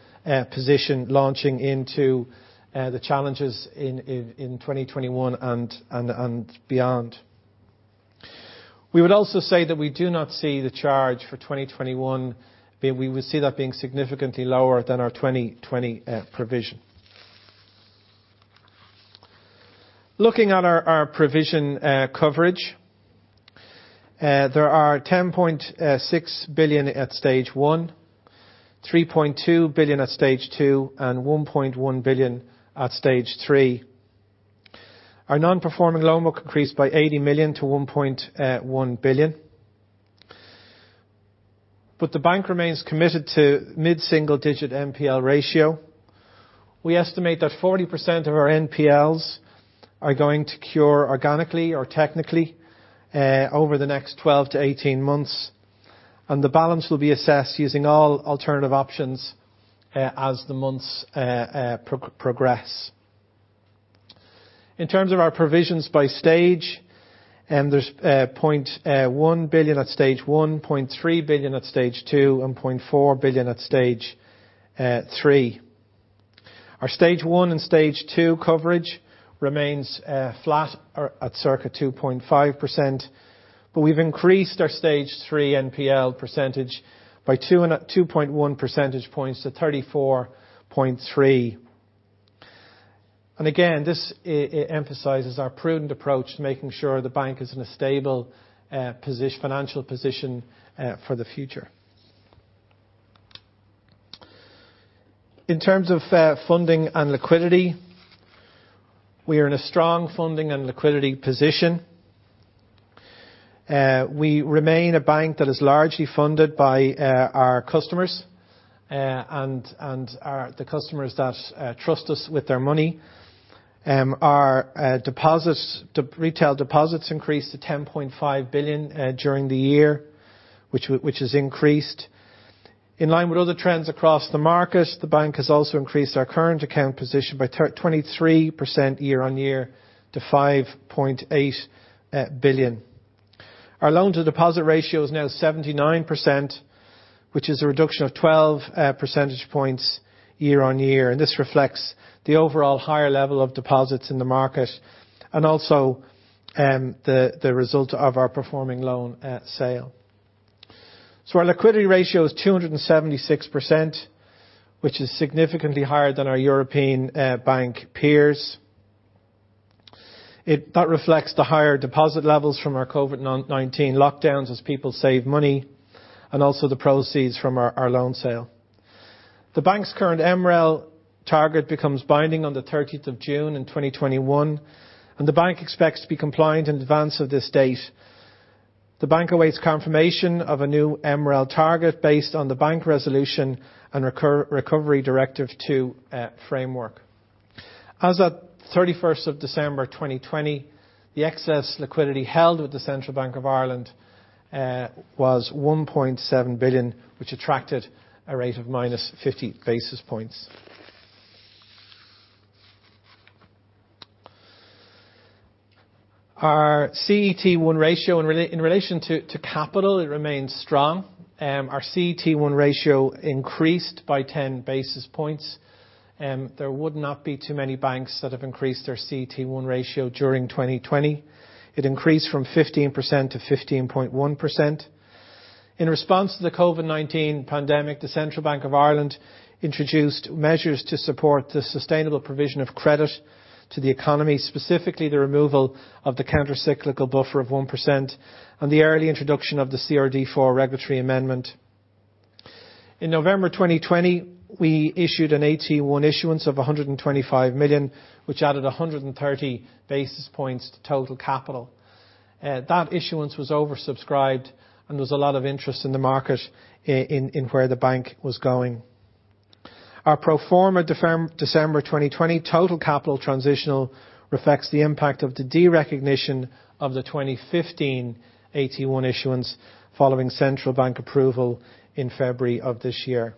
position launching into the challenges in 2021 and beyond. We would also say that we do not see the charge for 2021, we would see that being significantly lower than our 2020 provision. Looking at our provision coverage, there are 10.6 billion at stage 1, 3.2 billion at stage 2, and 1.1 billion at stage 3. Our non-performing loan book increased by 80 million to 1.1 billion. The bank remains committed to mid-single digit NPL ratio. We estimate that 40% of our NPLs are going to cure organically or technically over the next 12-18 months, and the balance will be assessed using all alternative options as the months progress. In terms of our provisions by stage, there's 0.1 billion at stage 1, 0.3 billion at stage 2, and 0.4 billion at stage 3. Our stage 1 and stage 2 coverage remains flat at circa 2.5%, but we've increased our stage 3 NPL percentage by 2.1 percentage points to 34.3%. This emphasizes our prudent approach, making sure the bank is in a stable financial position for the future. In terms of funding and liquidity, we are in a strong funding and liquidity position. We remain a bank that is largely funded by our customers, and the customers that trust us with their money. Our retail deposits increased to 10.5 billion during the year, which has increased. In line with other trends across the market, the bank has also increased our current account position by 23% year-on-year to 5.8 billion. Our loan-to-deposit ratio is now 79%, which is a reduction of 12 percentage points year-on-year, and this reflects the overall higher level of deposits in the market and also the result of our performing loan sale. Our liquidity ratio is 276%, which is significantly higher than our European bank peers. That reflects the higher deposit levels from our COVID-19 lockdowns as people saved money, and also the proceeds from our loan sale. The bank's current MREL target becomes binding on the 30th of June in 2021, and the bank expects to be compliant in advance of this date. The bank awaits confirmation of a new MREL target based on the Bank Recovery and Resolution Directive II framework. As at 31st of December 2020, the excess liquidity held with the Central Bank of Ireland was 1.7 billion, which attracted a rate of minus 50 basis points. Our CET1 ratio, in relation to capital, it remains strong. Our CET1 ratio increased by 10 basis points. There would not be too many banks that have increased their CET1 ratio during 2020. It increased from 15% to 15.1%. In response to the COVID-19 pandemic, the Central Bank of Ireland introduced measures to support the sustainable provision of credit to the economy, specifically the removal of the counter-cyclical buffer of 1% and the early introduction of the CRD IV regulatory amendment. In November 2020, we issued an AT1 issuance of 125 million, which added 130 basis points to total capital. That issuance was oversubscribed, and there was a lot of interest in the market in where the bank was going. Our pro forma December 2020 total capital transitional reflects the impact of the derecognition of the 2015 AT1 issuance following Central Bank approval in February of this year.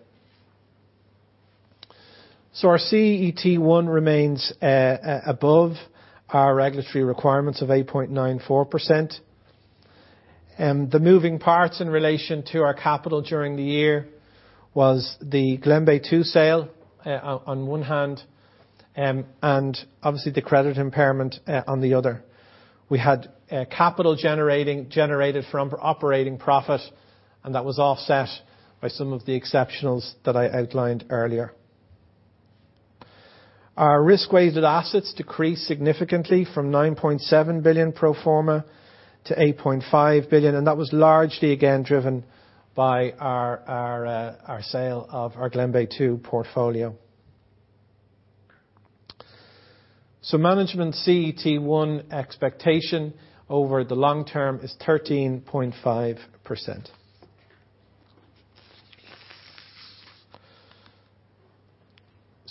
Our CET1 remains above our regulatory requirements of 8.94%. The moving parts in relation to our capital during the year was the Glenbeigh Two sale, on one hand, and obviously the credit impairment on the other. We had capital generated from operating profit, and that was offset by some of the exceptionals that I outlined earlier. Our risk-weighted assets decreased significantly from 9.7 billion pro forma to 8.5 billion, and that was largely, again, driven by our sale of our Glenbeigh Two portfolio. Management CET1 expectation over the long term is 13.5%.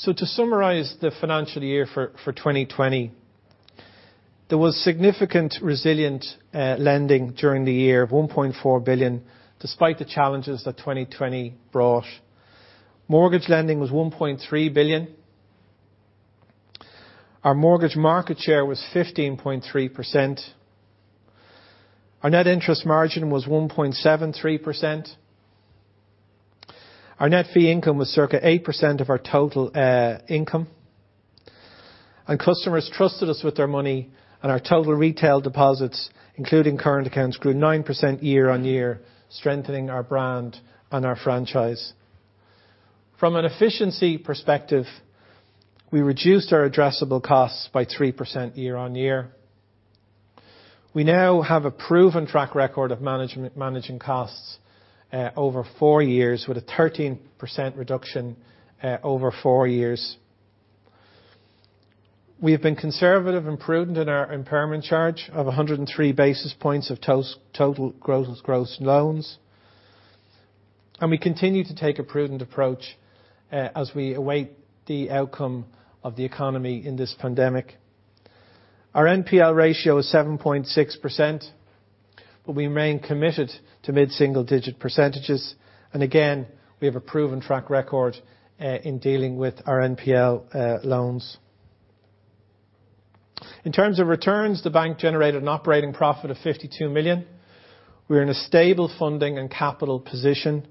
To summarize the financial year for 2020, there was significant resilient lending during the year of 1.4 billion, despite the challenges that 2020 brought. Mortgage lending was 1.3 billion. Our mortgage market share was 15.3%. Our net interest margin was 1.73%. Our net fee income was circa 8% of our total income. Customers trusted us with their money, and our total retail deposits, including current accounts, grew 9% year-on-year, strengthening our brand and our franchise. From an efficiency perspective, we reduced our addressable costs by 3% year-on-year. We now have a proven track record of managing costs over 4 years with a 13% reduction over 4 years. We have been conservative and prudent in our impairment charge of 103 basis points of total gross loans, and we continue to take a prudent approach as we await the outcome of the economy in this pandemic. Our NPL ratio is 7.6%, but we remain committed to mid-single-digit percentages, and again, we have a proven track record in dealing with our NPL loans. In terms of returns, the bank generated an operating profit of 52 million. We are in a stable funding and capital position.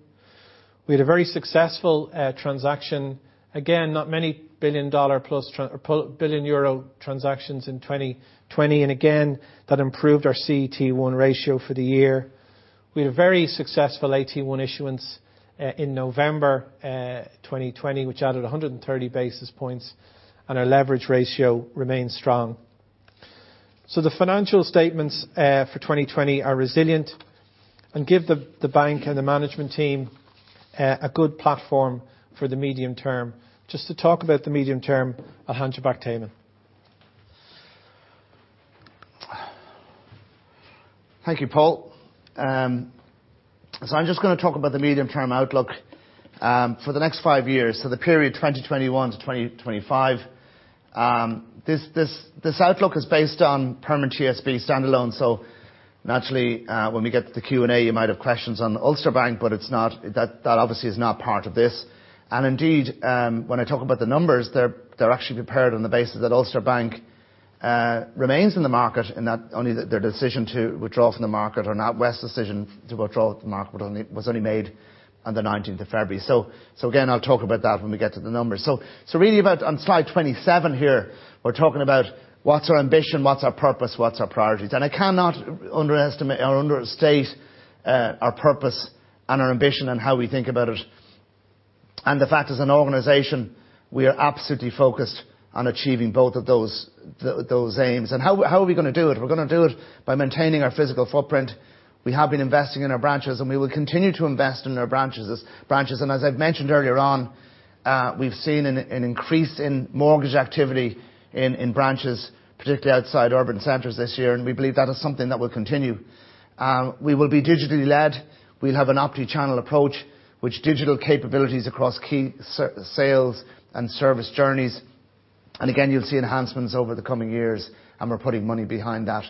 We had a very successful transaction. Again, not many billion EUR transactions in 2020, and again, that improved our CET1 ratio for the year. We had a very successful AT1 issuance in November 2020, which added 130 basis points, and our leverage ratio remains strong. The financial statements for 2020 are resilient and give the bank and the management team a good platform for the medium term. Just to talk about the medium term, I'll hand you back, Eamonn. Thank you, Paul. I'm just going to talk about the medium-term outlook for the next five years, so the period 2021 to 2025. This outlook is based on Permanent TSB standalone, so naturally, when we get to the Q&A, you might have questions on Ulster Bank, but that obviously is not part of this. indeed, when I talk about the numbers, they're actually prepared on the basis that Ulster Bank remains in the market, and that only their decision to withdraw from the market or not, NatWest's decision to withdraw from the market was only made on the 19th of February. again, I'll talk about that when we get to the numbers. really on slide 27 here, we're talking about what's our ambition, what's our purpose, what's our priorities. I cannot underestimate or understate our purpose and our ambition and how we think about it. The fact as an organization, we are absolutely focused on achieving both of those aims. How are we going to do it? We're going to do it by maintaining our physical footprint. We have been investing in our branches, and we will continue to invest in our branches. As I've mentioned earlier on, we've seen an increase in mortgage activity in branches, particularly outside urban centers this year, and we believe that is something that will continue. We will be digitally led. We'll have an omni-channel approach, with digital capabilities across key sales and service journeys. Again, you'll see enhancements over the coming years, and we're putting money behind that.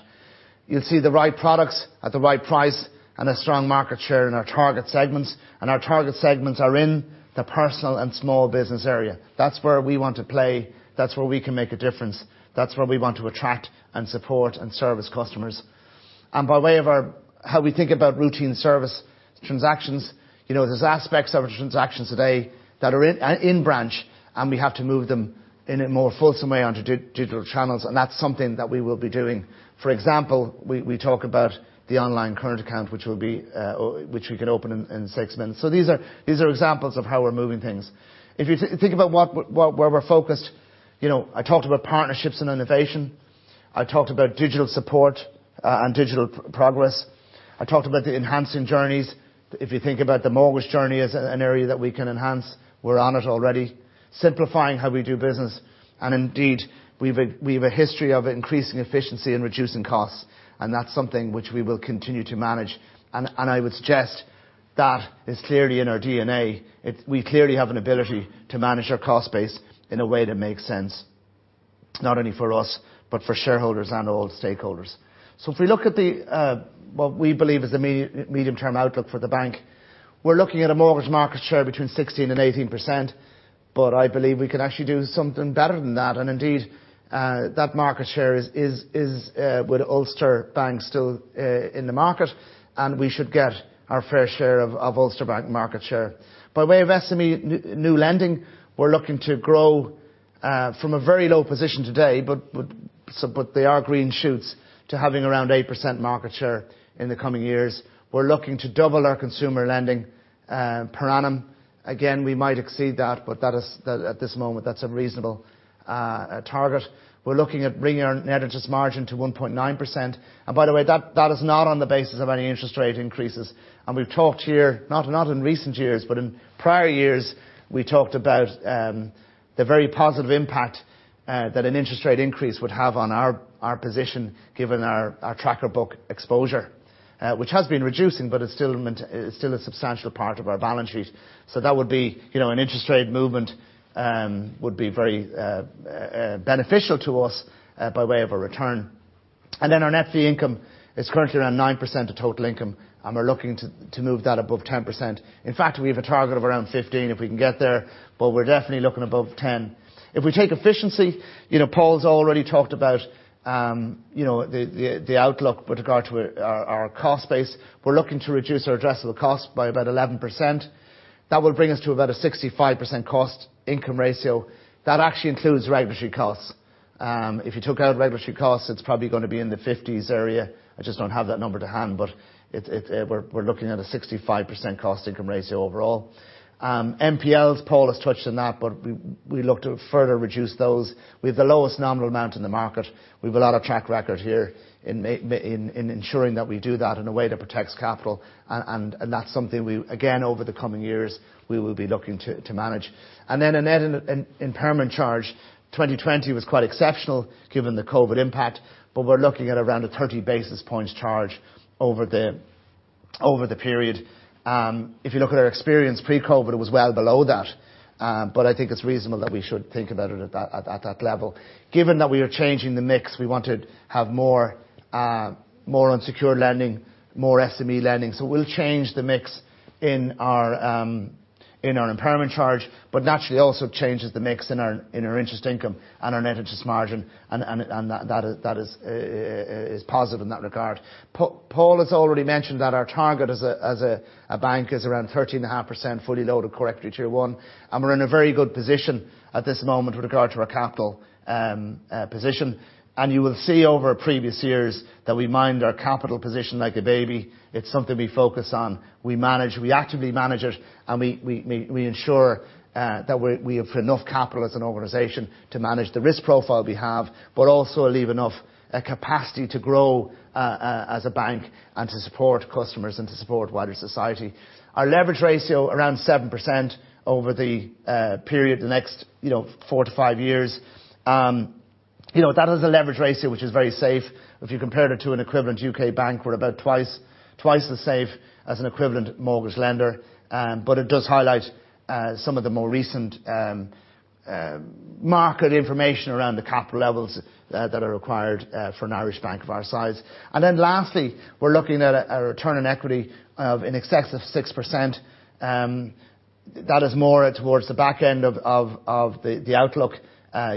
You'll see the right products at the right price and a strong market share in our target segments. Our target segments are in the personal and small business area. That's where we want to play. That's where we can make a difference. That's where we want to attract and support and service customers. By way of how we think about routine service transactions, there's aspects of transactions today that are in branch, and we have to move them in a more fulsome way onto digital channels, and that's something that we will be doing. For example, we talk about the online current account, which we can open in six minutes. These are examples of how we're moving things. If you think about where we're focused, I talked about partnerships and innovation. I talked about digital support and digital progress. I talked about the enhancing journeys. If you think about the mortgage journey as an area that we can enhance, we're on it already. Simplifying how we do business. Indeed, we've a history of increasing efficiency and reducing costs, and that's something which we will continue to manage. I would suggest that is clearly in our DNA. We clearly have an ability to manage our cost base in a way that makes sense, not only for us but for shareholders and all stakeholders. If we look at what we believe is the medium-term outlook for the bank, we're looking at a mortgage market share between 16% and 18%, but I believe we can actually do something better than that. Indeed, that market share is with Ulster Bank still in the market, and we should get our fair share of Ulster Bank market share. By way of SME new lending, we're looking to grow from a very low position today, but they are green shoots, to having around 8% market share in the coming years. We're looking to double our consumer lending per annum. Again, we might exceed that, but at this moment, that's a reasonable target. We're looking at bringing our net interest margin to 1.9%. By the way, that is not on the basis of any interest rate increases. We've talked here, not in recent years, but in prior years, we talked about the very positive impact that an interest rate increase would have on our position, given our tracker book exposure, which has been reducing, but it's still a substantial part of our balance sheet. An interest rate movement would be very beneficial to us by way of a return. Our net fee income is currently around 9% of total income, and we're looking to move that above 10%. In fact, we have a target of around 15 if we can get there, but we're definitely looking above 10. If we take efficiency, Paul's already talked about the outlook with regard to our cost base. We're looking to reduce our addressable cost by about 11%. That will bring us to about a 65% cost income ratio. That actually includes regulatory costs. If you took out regulatory costs, it's probably going to be in the 50s area. I just don't have that number to hand, but we're looking at a 65% cost income ratio overall. NPLs, Paul has touched on that, but we look to further reduce those. We have the lowest nominal amount in the market. We have a lot of track record here in ensuring that we do that in a way that protects capital, and that's something we, again, over the coming years, we will be looking to manage. A net impairment charge. 2020 was quite exceptional given the COVID impact, but we're looking at around a 30 basis points charge over the period. If you look at our experience pre-COVID, it was well below that, but I think it's reasonable that we should think about it at that level. Given that we are changing the mix, we want to have more unsecured lending, more SME lending. We'll change the mix in our impairment charge, but naturally also changes the mix in our interest income and our net interest margin, and that is positive in that regard. Paul has already mentioned that our target as a bank is around 13.5% fully loaded Core Equity Tier 1, and we're in a very good position at this moment with regard to our capital position. You will see over previous years that we mind our capital position like a baby. It's something we focus on. We actively manage it, and we ensure that we have enough capital as an organization to manage the risk profile we have, but also leave enough capacity to grow as a bank and to support customers and to support wider society. Our leverage ratio, around 7% over the period, the next four to five years. That is a leverage ratio which is very safe. If you compared it to an equivalent U.K. bank, we're about twice as safe as an equivalent mortgage lender. It does highlight some of the more recent market information around the capital levels that are required for an Irish bank of our size. Lastly, we're looking at a return on equity of in excess of 6%. That is more towards the back end of the outlook,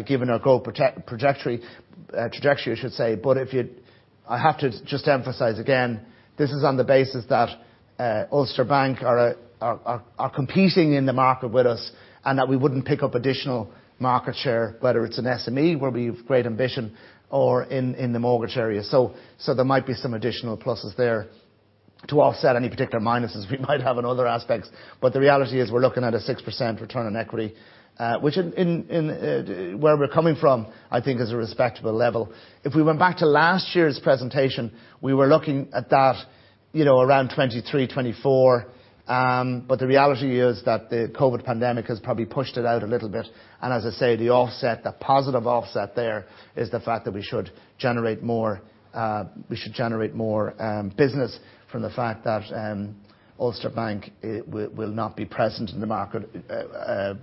given our growth trajectory. I have to just emphasize again, this is on the basis that Ulster Bank are competing in the market with us, and that we wouldn't pick up additional market share, whether it's in SME, where we've great ambition, or in the mortgage area. There might be some additional pluses there to offset any particular minuses we might have in other aspects. The reality is, we're looking at a 6% return on equity, which where we're coming from, I think is a respectable level. If we went back to last year's presentation, we were looking at that around 2023, 2024. The reality is that the COVID pandemic has probably pushed it out a little bit. As I say, the positive offset there, is the fact that Ulster Bank will not be present in the market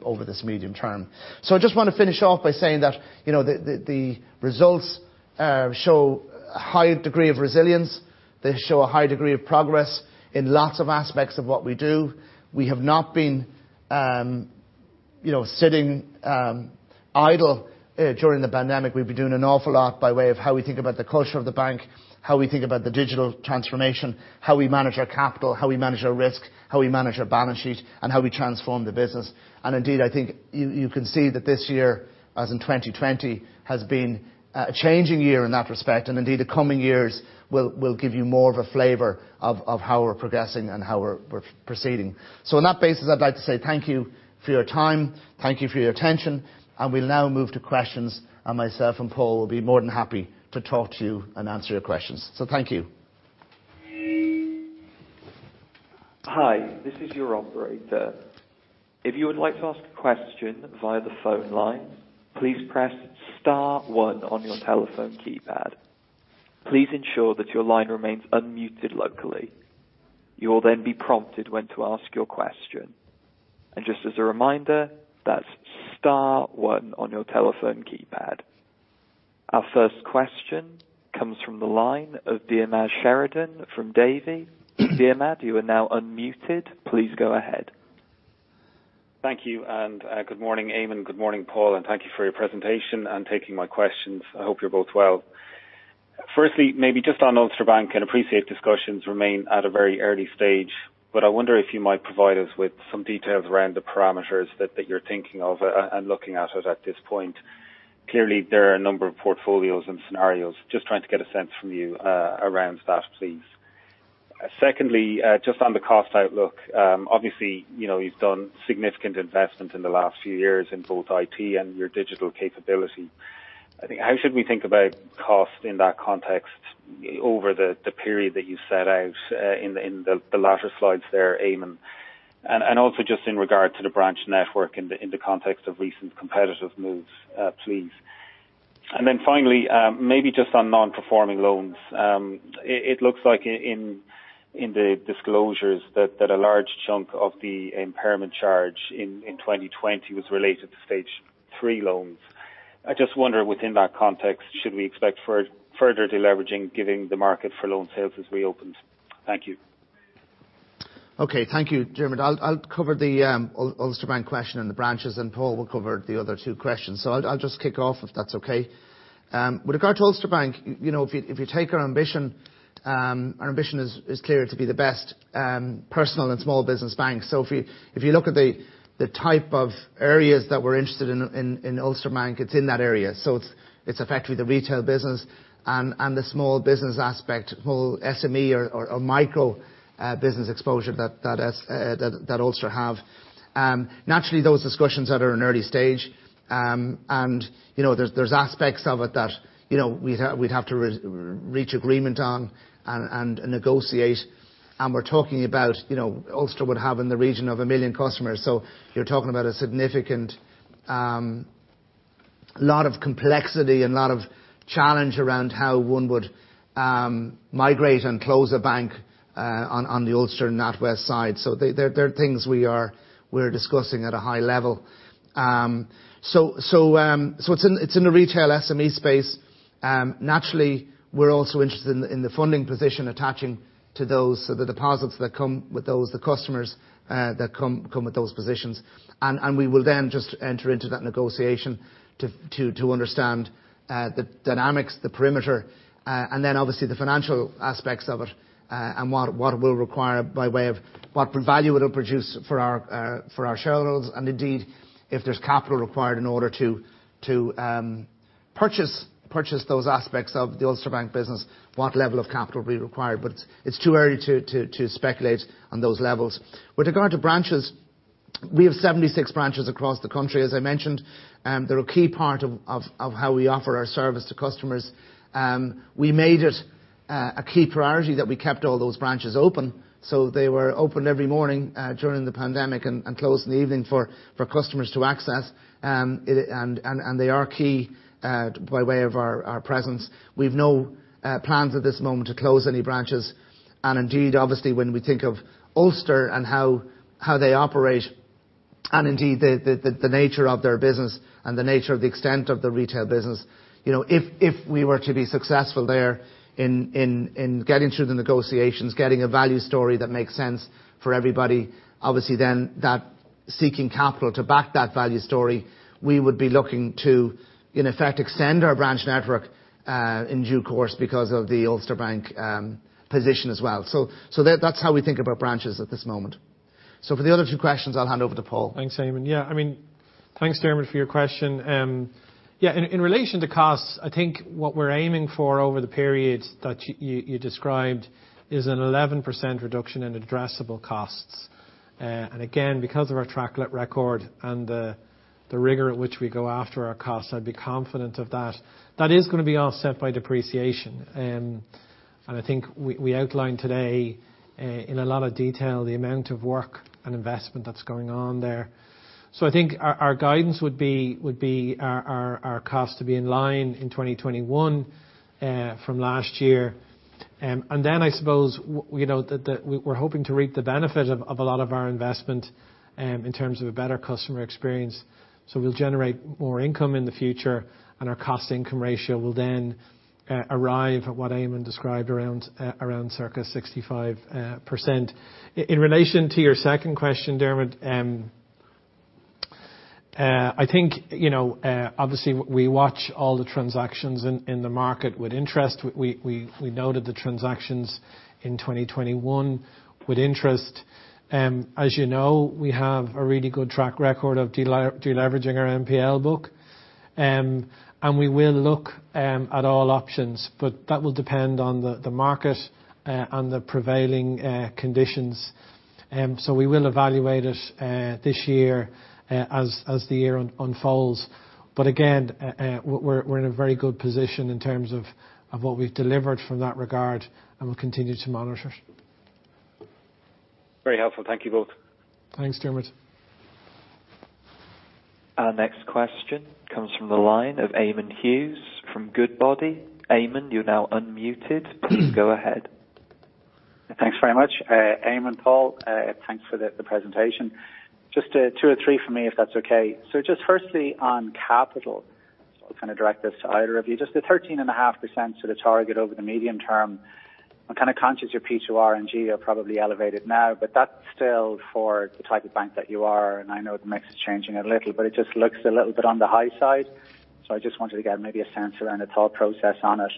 over this medium term. I just want to finish off by saying that the results show a high degree of resilience. They show a high degree of progress in lots of aspects of what we do. We have not been sitting idle during the pandemic. We've been doing an awful lot by way of how we think about the culture of the bank, how we think about the digital transformation, how we manage our capital, how we manage our risk, how we manage our balance sheet, and how we transform the business. Indeed, I think you can see that this year, as in 2020, has been a changing year in that respect. Indeed, the coming years will give you more of a flavor of how we're progressing and how we're proceeding. On that basis, I'd like to say thank you for your time, thank you for your attention, and we'll now move to questions. Myself and Paul will be more than happy to talk to you and answer your questions. Thank you. Our first question comes from the line of Diarmaid Sheridan from Davy. Diarmaid, you are now unmuted. Please go ahead. Thank you, and good morning, Eamonn, good morning, Paul, and thank you for your presentation and taking my questions. I hope you're both well. Firstly, maybe just on Ulster Bank, and I appreciate discussions remain at a very early stage, but I wonder if you might provide us with some details around the parameters that you're thinking of, and looking at it at this point. Clearly, there are a number of portfolios and scenarios. Just trying to get a sense from you around that, please. Secondly, just on the cost outlook. Obviously, you've done significant investment in the last few years in both IT and your digital capability. How should we think about cost in that context over the period that you set out in the latter slides there, Eamonn? Also just in regard to the branch network in the context of recent competitive moves, please. Finally, maybe just on non-performing loans. It looks like in the disclosures that a large chunk of the impairment charge in 2020 was related to stage 3 loans. I just wonder within that context, should we expect further deleveraging, giving the market for loan sales has reopened. Thank you. Okay. Thank you, Diarmaid. I'll cover the Ulster Bank question and the branches, and Paul will cover the other two questions. I'll just kick off if that's okay. With regard to Ulster Bank, if you take our ambition, our ambition is clear to be the best personal and small business bank. If you look at the type of areas that we're interested in Ulster Bank, it's in that area. It's effectively the retail business and the small business aspect, small SME or micro business exposure that Ulster have. Naturally, those discussions that are in early stage, and there's aspects of it that we'd have to reach agreement on and negotiate. We're talking about Ulster would have in the region of 1 million customers. You're talking about a significant lot of complexity and lot of challenge around how one would migrate and close a bank on the Ulster and NatWest side. They're things we're discussing at a high level. It's in the retail SME space. Naturally, we're also interested in the funding position attaching to those, so the deposits that come with those, the customers that come with those positions. We will then just enter into that negotiation to understand the dynamics, the perimeter, and then obviously the financial aspects of it, and what it will require by way of what value it'll produce for our shareholders. Indeed, if there's capital required in order to purchase those aspects of the Ulster Bank business, what level of capital will be required. It's too early to speculate on those levels. With regard to branches, we have 76 branches across the country, as I mentioned. They're a key part of how we offer our service to customers. We made it a key priority that we kept all those branches open, so they were opened every morning during the pandemic and closed in the evening for customers to access. They are key by way of our presence. We've no plans at this moment to close any branches. Indeed, obviously, when we think of Ulster and how they operate, and indeed the nature of their business and the nature of the extent of the retail business, if we were to be successful there in getting through the negotiations, getting a value story that makes sense for everybody, obviously then that seeking capital to back that value story, we would be looking to, in effect, extend our branch network, in due course because of the Ulster Bank position as well. That's how we think about branches at this moment. For the other two questions, I'll hand over to Paul. Thanks, Eamonn. Yeah. Thanks, Diarmaid, for your question. In relation to costs, I think what we're aiming for over the period that you described is an 11% reduction in addressable costs. Because of our track record and the rigor at which we go after our costs, I'd be confident of that. That is going to be offset by depreciation. We outlined today in a lot of detail the amount of work and investment that's going on there. Our guidance would be our costs to be in line in 2021 from last year. We're hoping to reap the benefit of a lot of our investment in terms of a better customer experience. We'll generate more income in the future and our cost income ratio will then arrive at what Eamonn described around circa 65%. In relation to your second question, Dermot, I think, obviously, we watch all the transactions in the market with interest. We noted the transactions in 2021 with interest. As you know, we have a really good track record of de-leveraging our NPL book, and we will look at all options, but that will depend on the market and the prevailing conditions. We will evaluate it this year as the year unfolds. Again, we're in a very good position in terms of what we've delivered from that regard, and we'll continue to monitor it. Very helpful. Thank you both. Thanks, Diarmaid. Our next question comes from the line of Eamonn Hughes from Goodbody. Eamonn, you're now unmuted. Please go ahead. Thanks very much. Eamonn, Paul, thanks for the presentation. Just two or three from me, if that's okay. Just firstly, on capital, I'll kind of direct this to either of you. Just the 13.5% to the target over the medium term. I'm kind of conscious your P2R and P2G are probably elevated now, but that's still for the type of bank that you are, and I know the mix is changing a little, but it just looks a little bit on the high side. I just wanted to get maybe a sense around the thought process on it.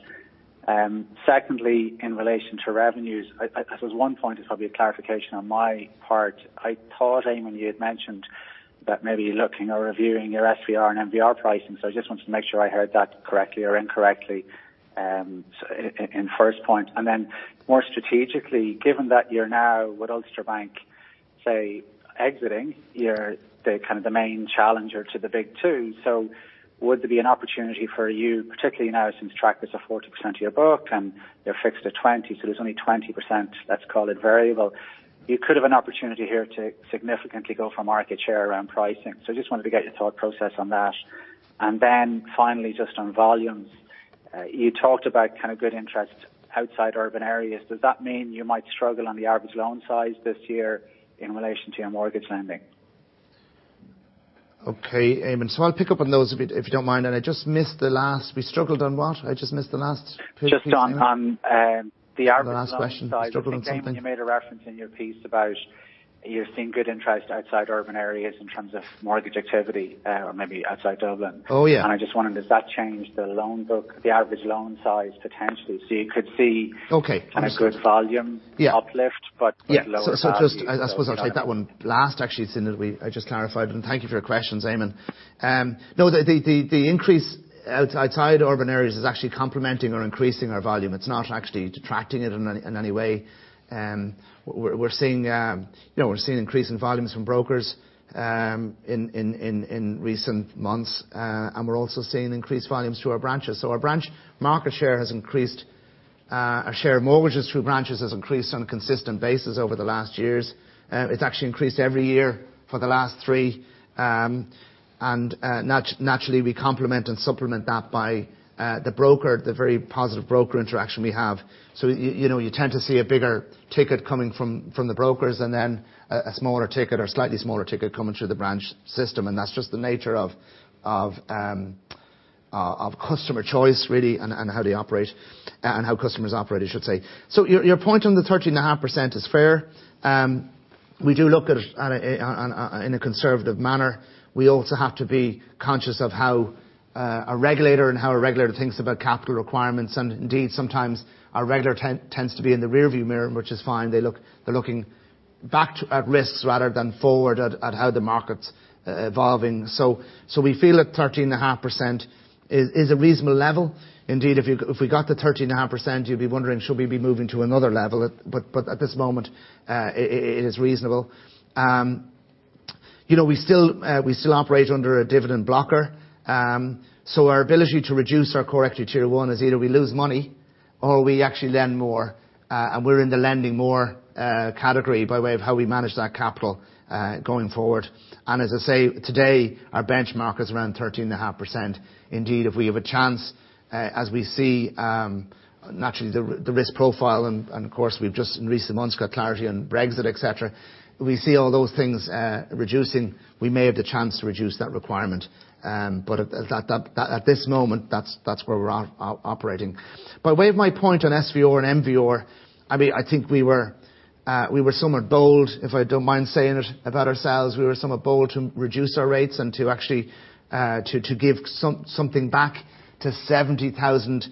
Secondly, in relation to revenues, I suppose one point is probably a clarification on my part. I thought, Eamonn, you had mentioned that maybe you're looking or reviewing your SVR and MVR pricing, so I just wanted to make sure I heard that correctly or incorrectly, in first point. More strategically, given that you're now with Ulster Bank, say, exiting, you're the kind of the main challenger to the big two. Would there be an opportunity for you, particularly now since trackers are 40% of your book and they're fixed at 20, so there's only 20%, let's call it variable. You could have an opportunity here to significantly go for market share around pricing. I just wanted to get your thought process on that. Finally, just on volumes, you talked about kind of good interest outside urban areas. Does that mean you might struggle on the average loan size this year in relation to your mortgage lending? Okay, Eamonn. I'll pick up on those if you don't mind. I just missed the last. We struggled on what? I just missed the last piece, Eamonn. Just on the average- The last question. Struggle on something. loan size. I think, Eamonn, you made a reference in your piece about you're seeing good interest outside urban areas in terms of mortgage activity or maybe outside Dublin. Oh, yeah. I just wondered, does that change the loan book, the average loan size potentially? Okay. I see. kind of good volume. Yeah uplift, but with lower- Yeah. quality I suppose I'll take that one last actually, seeing as we, I just clarified. Thank you for your questions, Eamonn. No, the increase outside urban areas is actually complementing or increasing our volume. It's not actually detracting it in any way. We're seeing an increase in volumes from brokers in recent months. We're also seeing increased volumes through our branches. Our branch market share has increased, our share of mortgages through branches has increased on a consistent basis over the last years. It's actually increased every year for the last 3. Naturally, we complement and supplement that by the broker, the very positive broker interaction we have. You tend to see a bigger ticket coming from the brokers and then a smaller ticket or slightly smaller ticket coming through the branch system, and that's just the nature of customer choice, really, and how they operate, and how customers operate, I should say. Your point on the 13.5% is fair. We do look at it in a conservative manner. We also have to be conscious of how a regulator and how a regulator thinks about capital requirements. Indeed, sometimes our regulator tends to be in the rearview mirror, which is fine. They're looking back at risks rather than forward at how the market's evolving. We feel that 13.5% is a reasonable level. Indeed, if we got to 13.5%, you'd be wondering, should we be moving to another level? At this moment, it is reasonable. We still operate under a dividend blocker. Our ability to reduce our Core Equity Tier 1 is either we lose money or we actually lend more, and we're in the lending more category by way of how we manage that capital going forward. As I say, today, our benchmark is around 13.5%. Indeed, if we have a chance, as we see, naturally the risk profile, and of course, we've just in recent months got clarity on Brexit, et cetera, we see all those things reducing, we may have the chance to reduce that requirement. At this moment, that's where we're operating. By way of my point on SVR and MVR, I think we were somewhat bold, if I don't mind saying it, about ourselves. We were somewhat bold to reduce our rates and to actually give something back to 70,000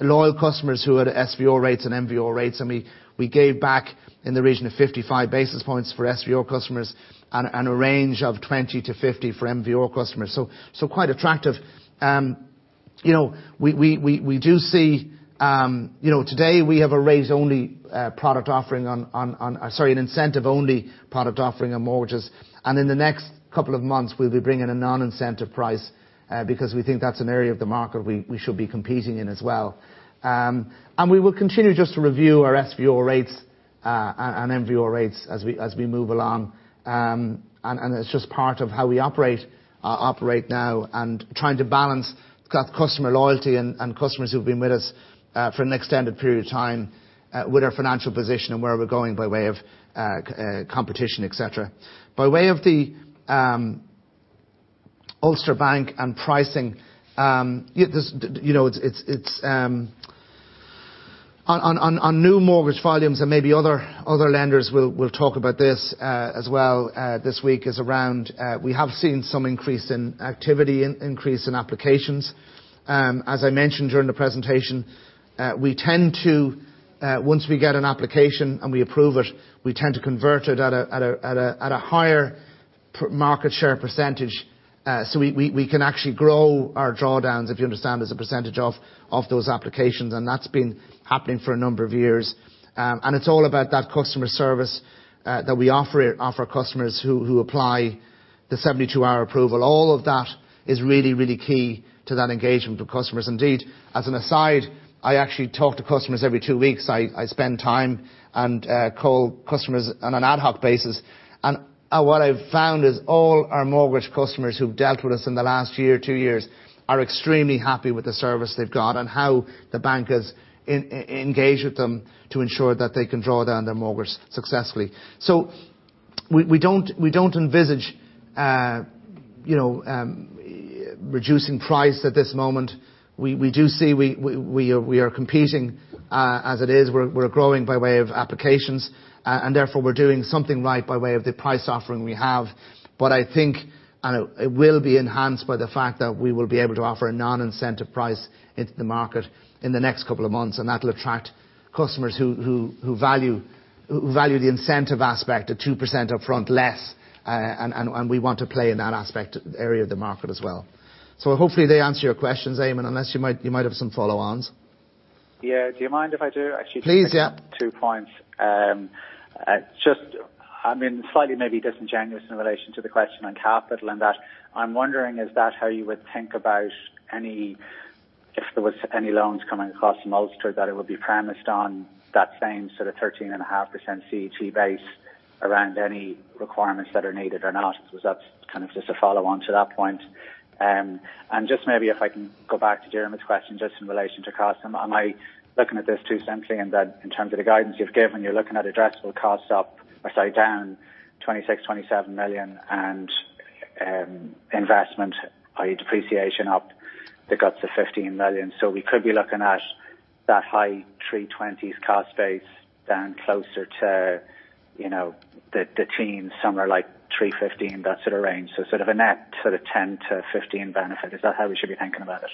loyal customers who had SVR rates and MVR rates, and we gave back in the region of 55 basis points for SVR customers and a range of 20-50 for MVR customers. Quite attractive. Today, we have an incentive-only product offering on mortgages. In the next couple of months, we'll be bringing a non-incentive price, because we think that's an area of the market we should be competing in as well. We will continue just to review our SVR rates and MVR rates as we move along. It's just part of how we operate now and trying to balance customer loyalty and customers who've been with us for an extended period of time with our financial position and where we're going by way of competition, et cetera. By way of the Ulster Bank and pricing, on new mortgage volumes, maybe other lenders will talk about this as well this week, is around we have seen some increase in activity, increase in applications. As I mentioned during the presentation, once we get an application and we approve it, we tend to convert it at a higher market share percentage. We can actually grow our drawdowns, if you understand, as a percentage of those applications, and that's been happening for a number of years. It's all about that customer service that we offer customers who apply the 72-hour approval. All of that is really key to that engagement with customers. Indeed, as an aside, I actually talk to customers every two weeks. I spend time and call customers on an ad hoc basis. What I've found is all our mortgage customers who've dealt with us in the last year, two years, are extremely happy with the service they've got and how the bank has engaged with them to ensure that they can draw down their mortgage successfully. We don't envisage reducing price at this moment. We do see we are competing as it is. We're growing by way of applications. Therefore, we're doing something right by way of the price offering we have. I think, and it will be enhanced by the fact that we will be able to offer a non-incentive price into the market in the next couple of months, and that will attract customers who value the incentive aspect, the 2% up front less, and we want to play in that aspect area of the market as well. Hopefully they answer your questions, Eamonn, unless you might have some follow-ons. Yeah. Do you mind if I do, actually. Please, yeah. Two points. Just, I mean, slightly maybe disingenuous in relation to the question on capital, in that I'm wondering, is that how you would think about if there was any loans coming across from Ulster, that it would be premised on that same sort of 13.5% CET1 base around any requirements that are needed or not? Just maybe if I can go back to Diarmaid's question, just in relation to cost. Am I looking at this too simply in that, in terms of the guidance you've given, you're looking at addressable cost up, or sorry, down 26 million, 27 million, and investment, i.e. depreciation up the guts of 15 million. We could be looking at that high EUR 320s cost base down closer to the teens, somewhere like 315, that sort of range. Sort of a net 10-15 benefit. Is that how we should be thinking about it?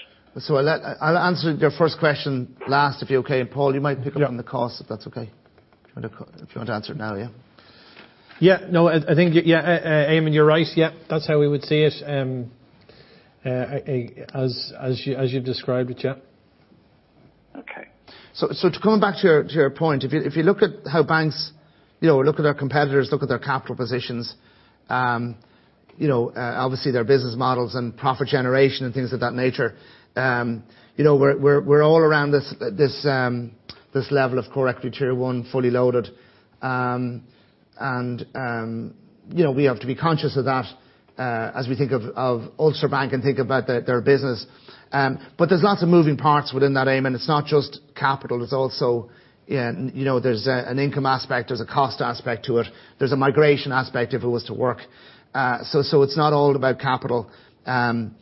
I'll answer your first question last, if you're okay, and Paul, you might pick up on the cost. Yeah If that's okay. If you want to answer it now, yeah. Yeah, no, I think, yeah, Eamonn, you're right. Yeah. That's how we would see it. As you've described it, yeah. Okay. Coming back to your point, if you look at how banks look at our competitors, look at their capital positions, obviously their business models and profit generation and things of that nature, we're all around this level of Core Equity Tier 1 fully loaded. We have to be conscious of that as we think of Ulster Bank and think about their business. There's lots of moving parts within that, Eamonn. It's not just capital. There's an income aspect, there's a cost aspect to it. There's a migration aspect if it was to work. It's not all about capital. Saying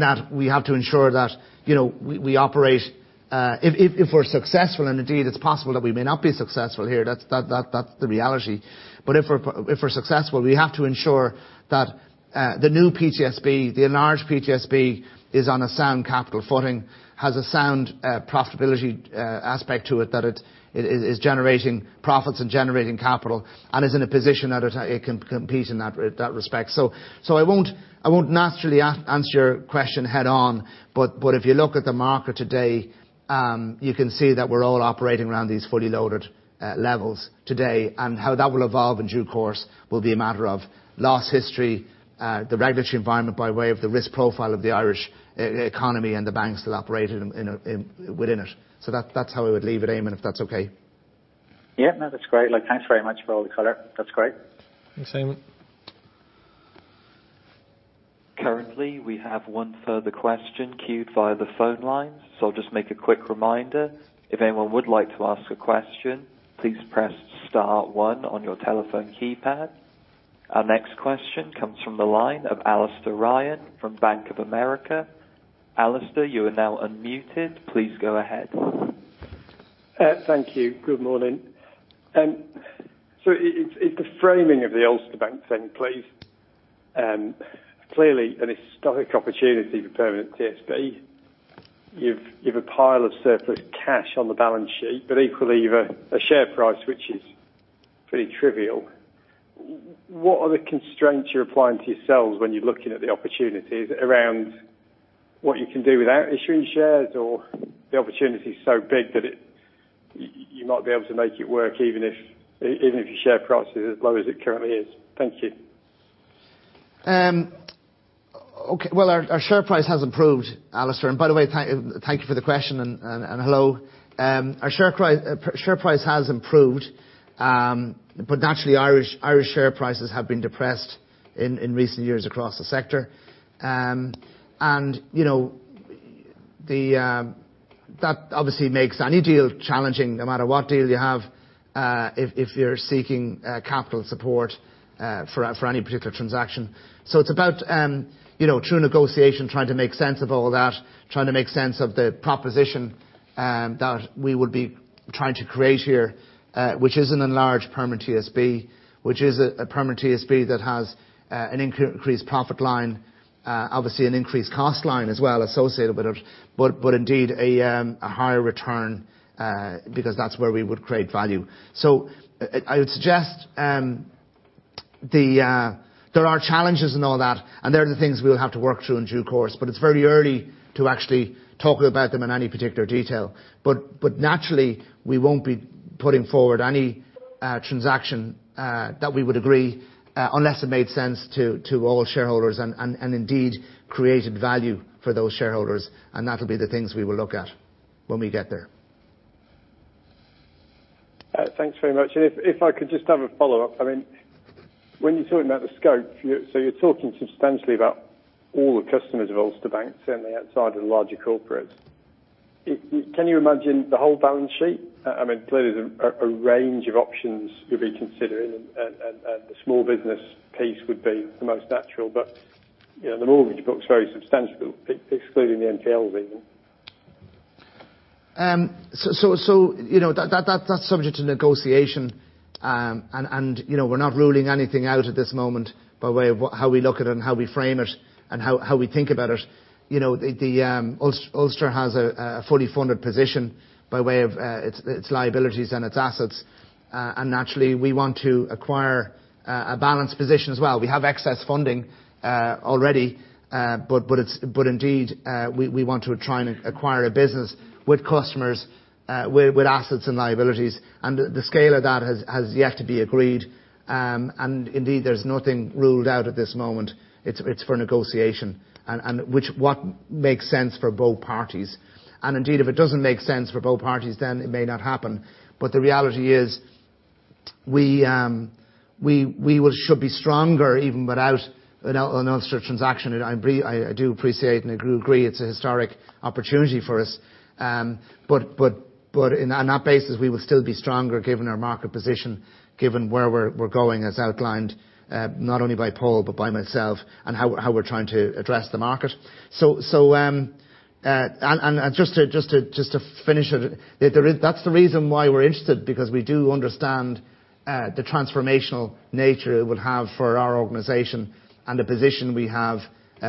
that, we have to ensure that we operate, if we're successful, and indeed, it's possible that we may not be successful here. That's the reality. If we're successful, we have to ensure that the new PTSB, the enlarged PTSB, is on a sound capital footing, has a sound profitability aspect to it, that it is generating profits and generating capital, and is in a position that it can compete in that respect. I won't naturally answer your question head-on, but if you look at the market today, you can see that we're all operating around these fully loaded levels today, and how that will evolve in due course will be a matter of loss history, the regulatory environment by way of the risk profile of the Irish economy and the banks that operate within it. That's how I would leave it, Eamonn, if that's okay. Yeah, no, that's great. Thanks very much for all the color. That's great. Same. Currently, we have one further question queued via the phone line. I'll just make a quick reminder. If anyone would like to ask a question, please press star one on your telephone keypad. Our next question comes from the line of Alastair Ryan from Bank of America. Alastair, you are now unmuted. Please go ahead. Thank you. Good morning. It's the framing of the Ulster Bank thing, please. Clearly, an historic opportunity for Permanent TSB. You've a pile of surplus cash on the balance sheet, equally you've a share price which is pretty trivial. What are the constraints you're applying to yourselves when you're looking at the opportunities around what you can do without issuing shares or the opportunity is so big that you might be able to make it work even if your share price is as low as it currently is. Thank you. Our share price has improved, Alastair. By the way, thank you for the question, and hello. Our share price has improved. Naturally, Irish share prices have been depressed in recent years across the sector. That obviously makes any deal challenging no matter what deal you have, if you're seeking capital support for any particular transaction. It's about true negotiation, trying to make sense of all that, trying to make sense of the proposition that we would be trying to create here, which is an enlarged Permanent TSB. Which is a Permanent TSB that has an increased profit line, obviously an increased cost line as well associated with it, but indeed a higher return, because that's where we would create value. I would suggest there are challenges in all that, and there are the things we'll have to work through in due course, but it's very early to actually talk about them in any particular detail. Naturally, we won't be putting forward any transaction that we would agree unless it made sense to all shareholders and indeed created value for those shareholders. That'll be the things we will look at when we get there. Thanks very much. If I could just have a follow-up. When you're talking about the scope, so you're talking substantially about all the customers of Ulster Bank, certainly outside of the larger corporates. Can you imagine the whole balance sheet? Clearly, there's a range of options you'll be considering, and the small business piece would be the most natural. The mortgage book is very substantial, excluding the NGLV. That's subject to negotiation, and we're not ruling anything out at this moment by way of how we look at it and how we frame it and how we think about it. Ulster has a fully funded position by way of its liabilities and its assets. Naturally, we want to acquire a balanced position as well. We have excess funding already. Indeed, we want to try and acquire a business with customers, with assets and liabilities, and the scale of that has yet to be agreed. Indeed, there's nothing ruled out at this moment. It's for negotiation, and what makes sense for both parties. Indeed, if it doesn't make sense for both parties, then it may not happen. The reality is we should be stronger even without an Ulster transaction. I do appreciate and agree it's a historic opportunity for us. On that basis, we will still be stronger given our market position, given where we're going as outlined, not only by Paul but by myself, and how we're trying to address the market. Just to finish it, that's the reason why we're interested, because we do understand the transformational nature it would have for our organization and the position we have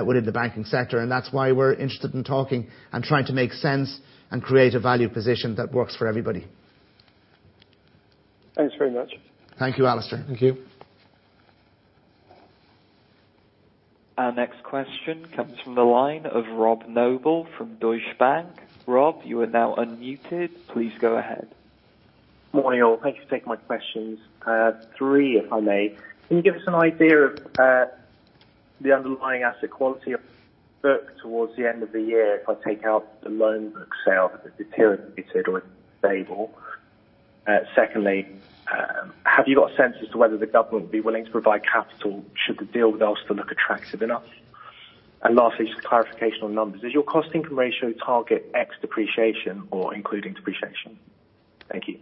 within the banking sector, and that's why we're interested in talking and trying to make sense and create a value position that works for everybody. Thanks very much. Thank you, Alastair. Thank you. Our next question comes from the line of Rob Noble from Deutsche Bank. Rob, you are now unmuted. Please go ahead. Morning, all. Thank you for taking my questions. Three, if I may. Can you give us an idea of the underlying asset quality of book towards the end of the year if I take out the loan book sale that has deteriorated or stable? Secondly, have you got a sense as to whether the government would be willing to provide capital should the deal with Ulster look attractive enough? Lastly, just clarification on numbers. Is your cost income ratio target ex depreciation or including depreciation? Thank you.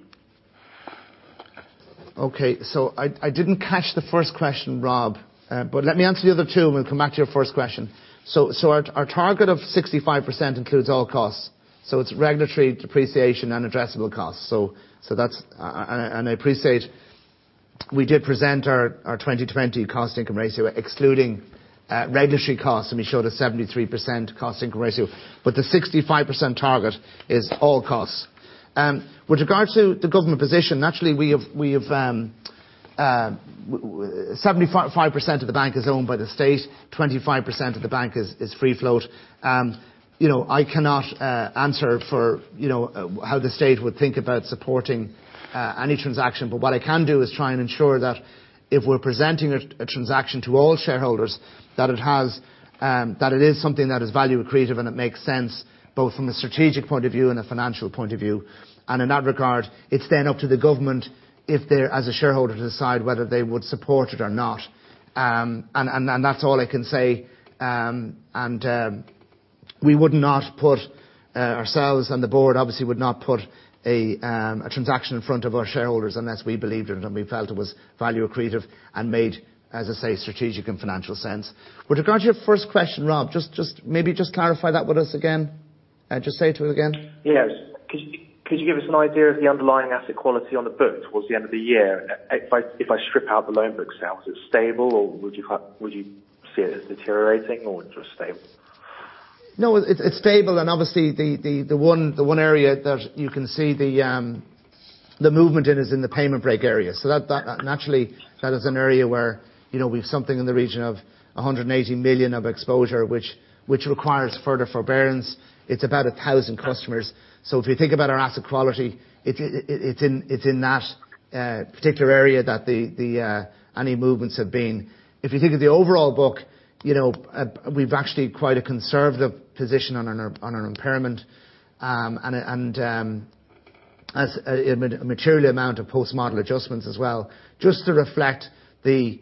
Okay. I didn't catch the first question, Rob. Let me answer the other two, and we'll come back to your first question. Our target of 65% includes all costs. It's regulatory depreciation and addressable costs. I appreciate we did present our 2020 cost income ratio excluding regulatory costs, and we showed a 73% cost income ratio. The 65% target is all costs. With regard to the government position, naturally, 75% of the bank is owned by the state, 25% of the bank is free float. I cannot answer for how the state would think about supporting any transaction, but what I can do is try and ensure that if we're presenting a transaction to all shareholders, that it is something that is value accretive, and it makes sense both from a strategic point of view and a financial point of view. In that regard, it's up to the government, if they're as a shareholder, to decide whether they would support it or not. That's all I can say. We would not put ourselves, and the board obviously would not put a transaction in front of our shareholders unless we believed in it and we felt it was value accretive and made, as I say, strategic and financial sense. With regard to your first question, Rob, maybe just clarify that with us again. Just say it again. Yes. Could you give us an idea of the underlying asset quality on the books towards the end of the year, if I strip out the loan book sales? Is it stable, or would you see it as deteriorating, or just stable? It's stable. Obviously, the one area that you can see the movement in is in the payment break area. Naturally, that is an area where we've something in the region of 180 million of exposure, which requires further forbearance. It's about 1,000 customers. If we think about our asset quality, it's in that particular area that any movements have been. If you think of the overall book, we've actually quite a conservative position on an impairment. A material amount of post-model adjustments as well, just to reflect the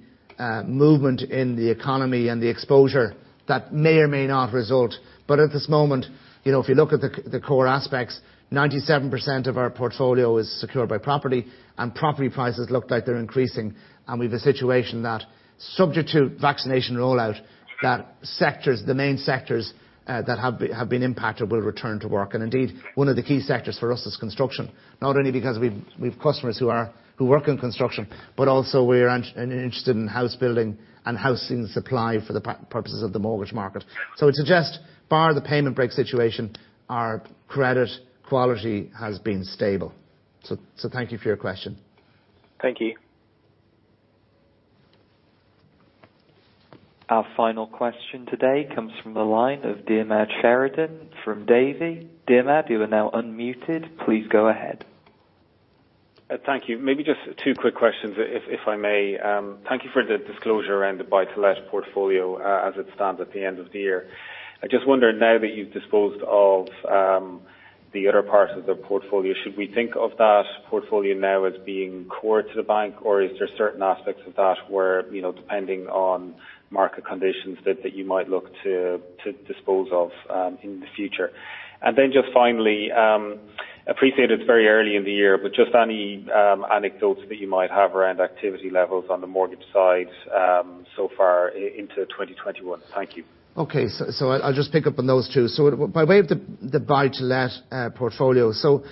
movement in the economy and the exposure that may or may not result. At this moment, if you look at the core aspects, 97% of our portfolio is secured by property. Property prices look like they're increasing. We've a situation that, subject to vaccination rollout, that the main sectors that have been impacted will return to work. Indeed, one of the key sectors for us is construction, not only because we've customers who work in construction, but also we are interested in house building and housing supply for the purposes of the mortgage market. I'd suggest, bar the payment break situation, our credit quality has been stable. Thank you for your question. Thank you. Our final question today comes from the line of Diarmaid Sheridan from Davy. Diarmaid, you are now unmuted. Please go ahead. Thank you. Maybe just two quick questions, if I may. Thank you for the disclosure around the buy-to-let portfolio as it stands at the end of the year. I just wonder now that you've disposed of the other parts of the portfolio, should we think of that portfolio now as being core to the bank, or are there certain aspects of that where, depending on market conditions, that you might look to dispose of in the future? Just finally, appreciate it's very early in the year, but just any anecdotes that you might have around activity levels on the mortgage side so far into 2021. Thank you. Okay. I'll just pick up on those two. By way of the buy-to-let portfolio. The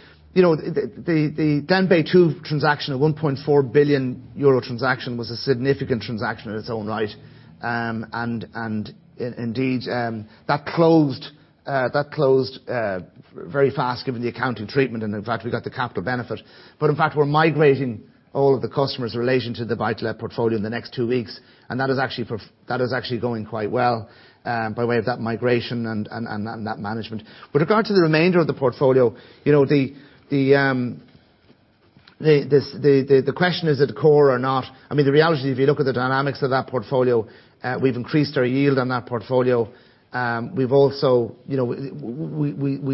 Glenbeigh Two transaction of 1.4 billion euro transaction was a significant transaction in its own right. Indeed, that closed very fast given the accounting treatment, and in fact, we got the capital benefit. In fact, we're migrating all of the customers relation to the buy-to-let portfolio in the next two weeks, and that is actually going quite well, by way of that migration and that management. With regard to the remainder of the portfolio, the question is at the core or not, the reality is if you look at the dynamics of that portfolio, we've increased our yield on that portfolio. We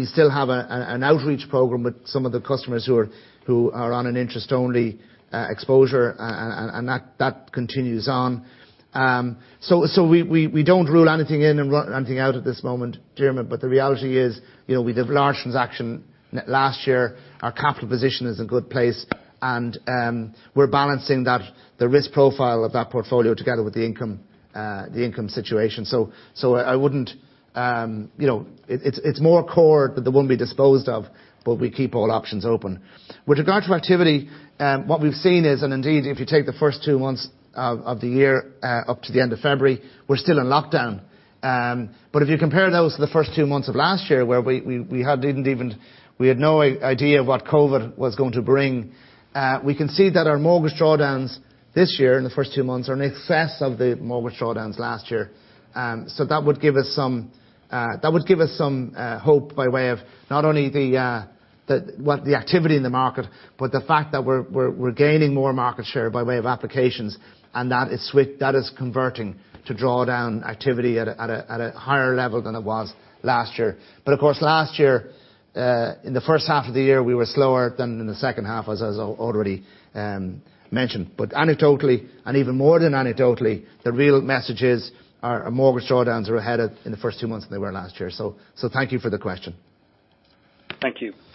still have an outreach program with some of the customers who are on an interest-only exposure, and that continues on. We don't rule anything in and anything out at this moment, Diarmaid, but the reality is, we did a large transaction last year. Our capital position is in a good place, and we're balancing the risk profile of that portfolio together with the income situation. It's more core that they won't be disposed of, but we keep all options open. With regard to activity, what we've seen is, and indeed, if you take the first two months of the year up to the end of February, we're still in lockdown. If you compare those to the first two months of last year, where we had no idea what COVID was going to bring, we can see that our mortgage drawdowns this year in the first two months are in excess of the mortgage drawdowns last year. That would give us some hope by way of not only the activity in the market, but the fact that we're gaining more market share by way of applications, and that is converting to drawdown activity at a higher level than it was last year. Of course, last year, in the first half of the year, we were slower than in the second half, as I already mentioned. Anecdotally, and even more than anecdotally, the real message is our mortgage drawdowns are ahead in the first two months than they were last year. Thank you for the question. Thank you.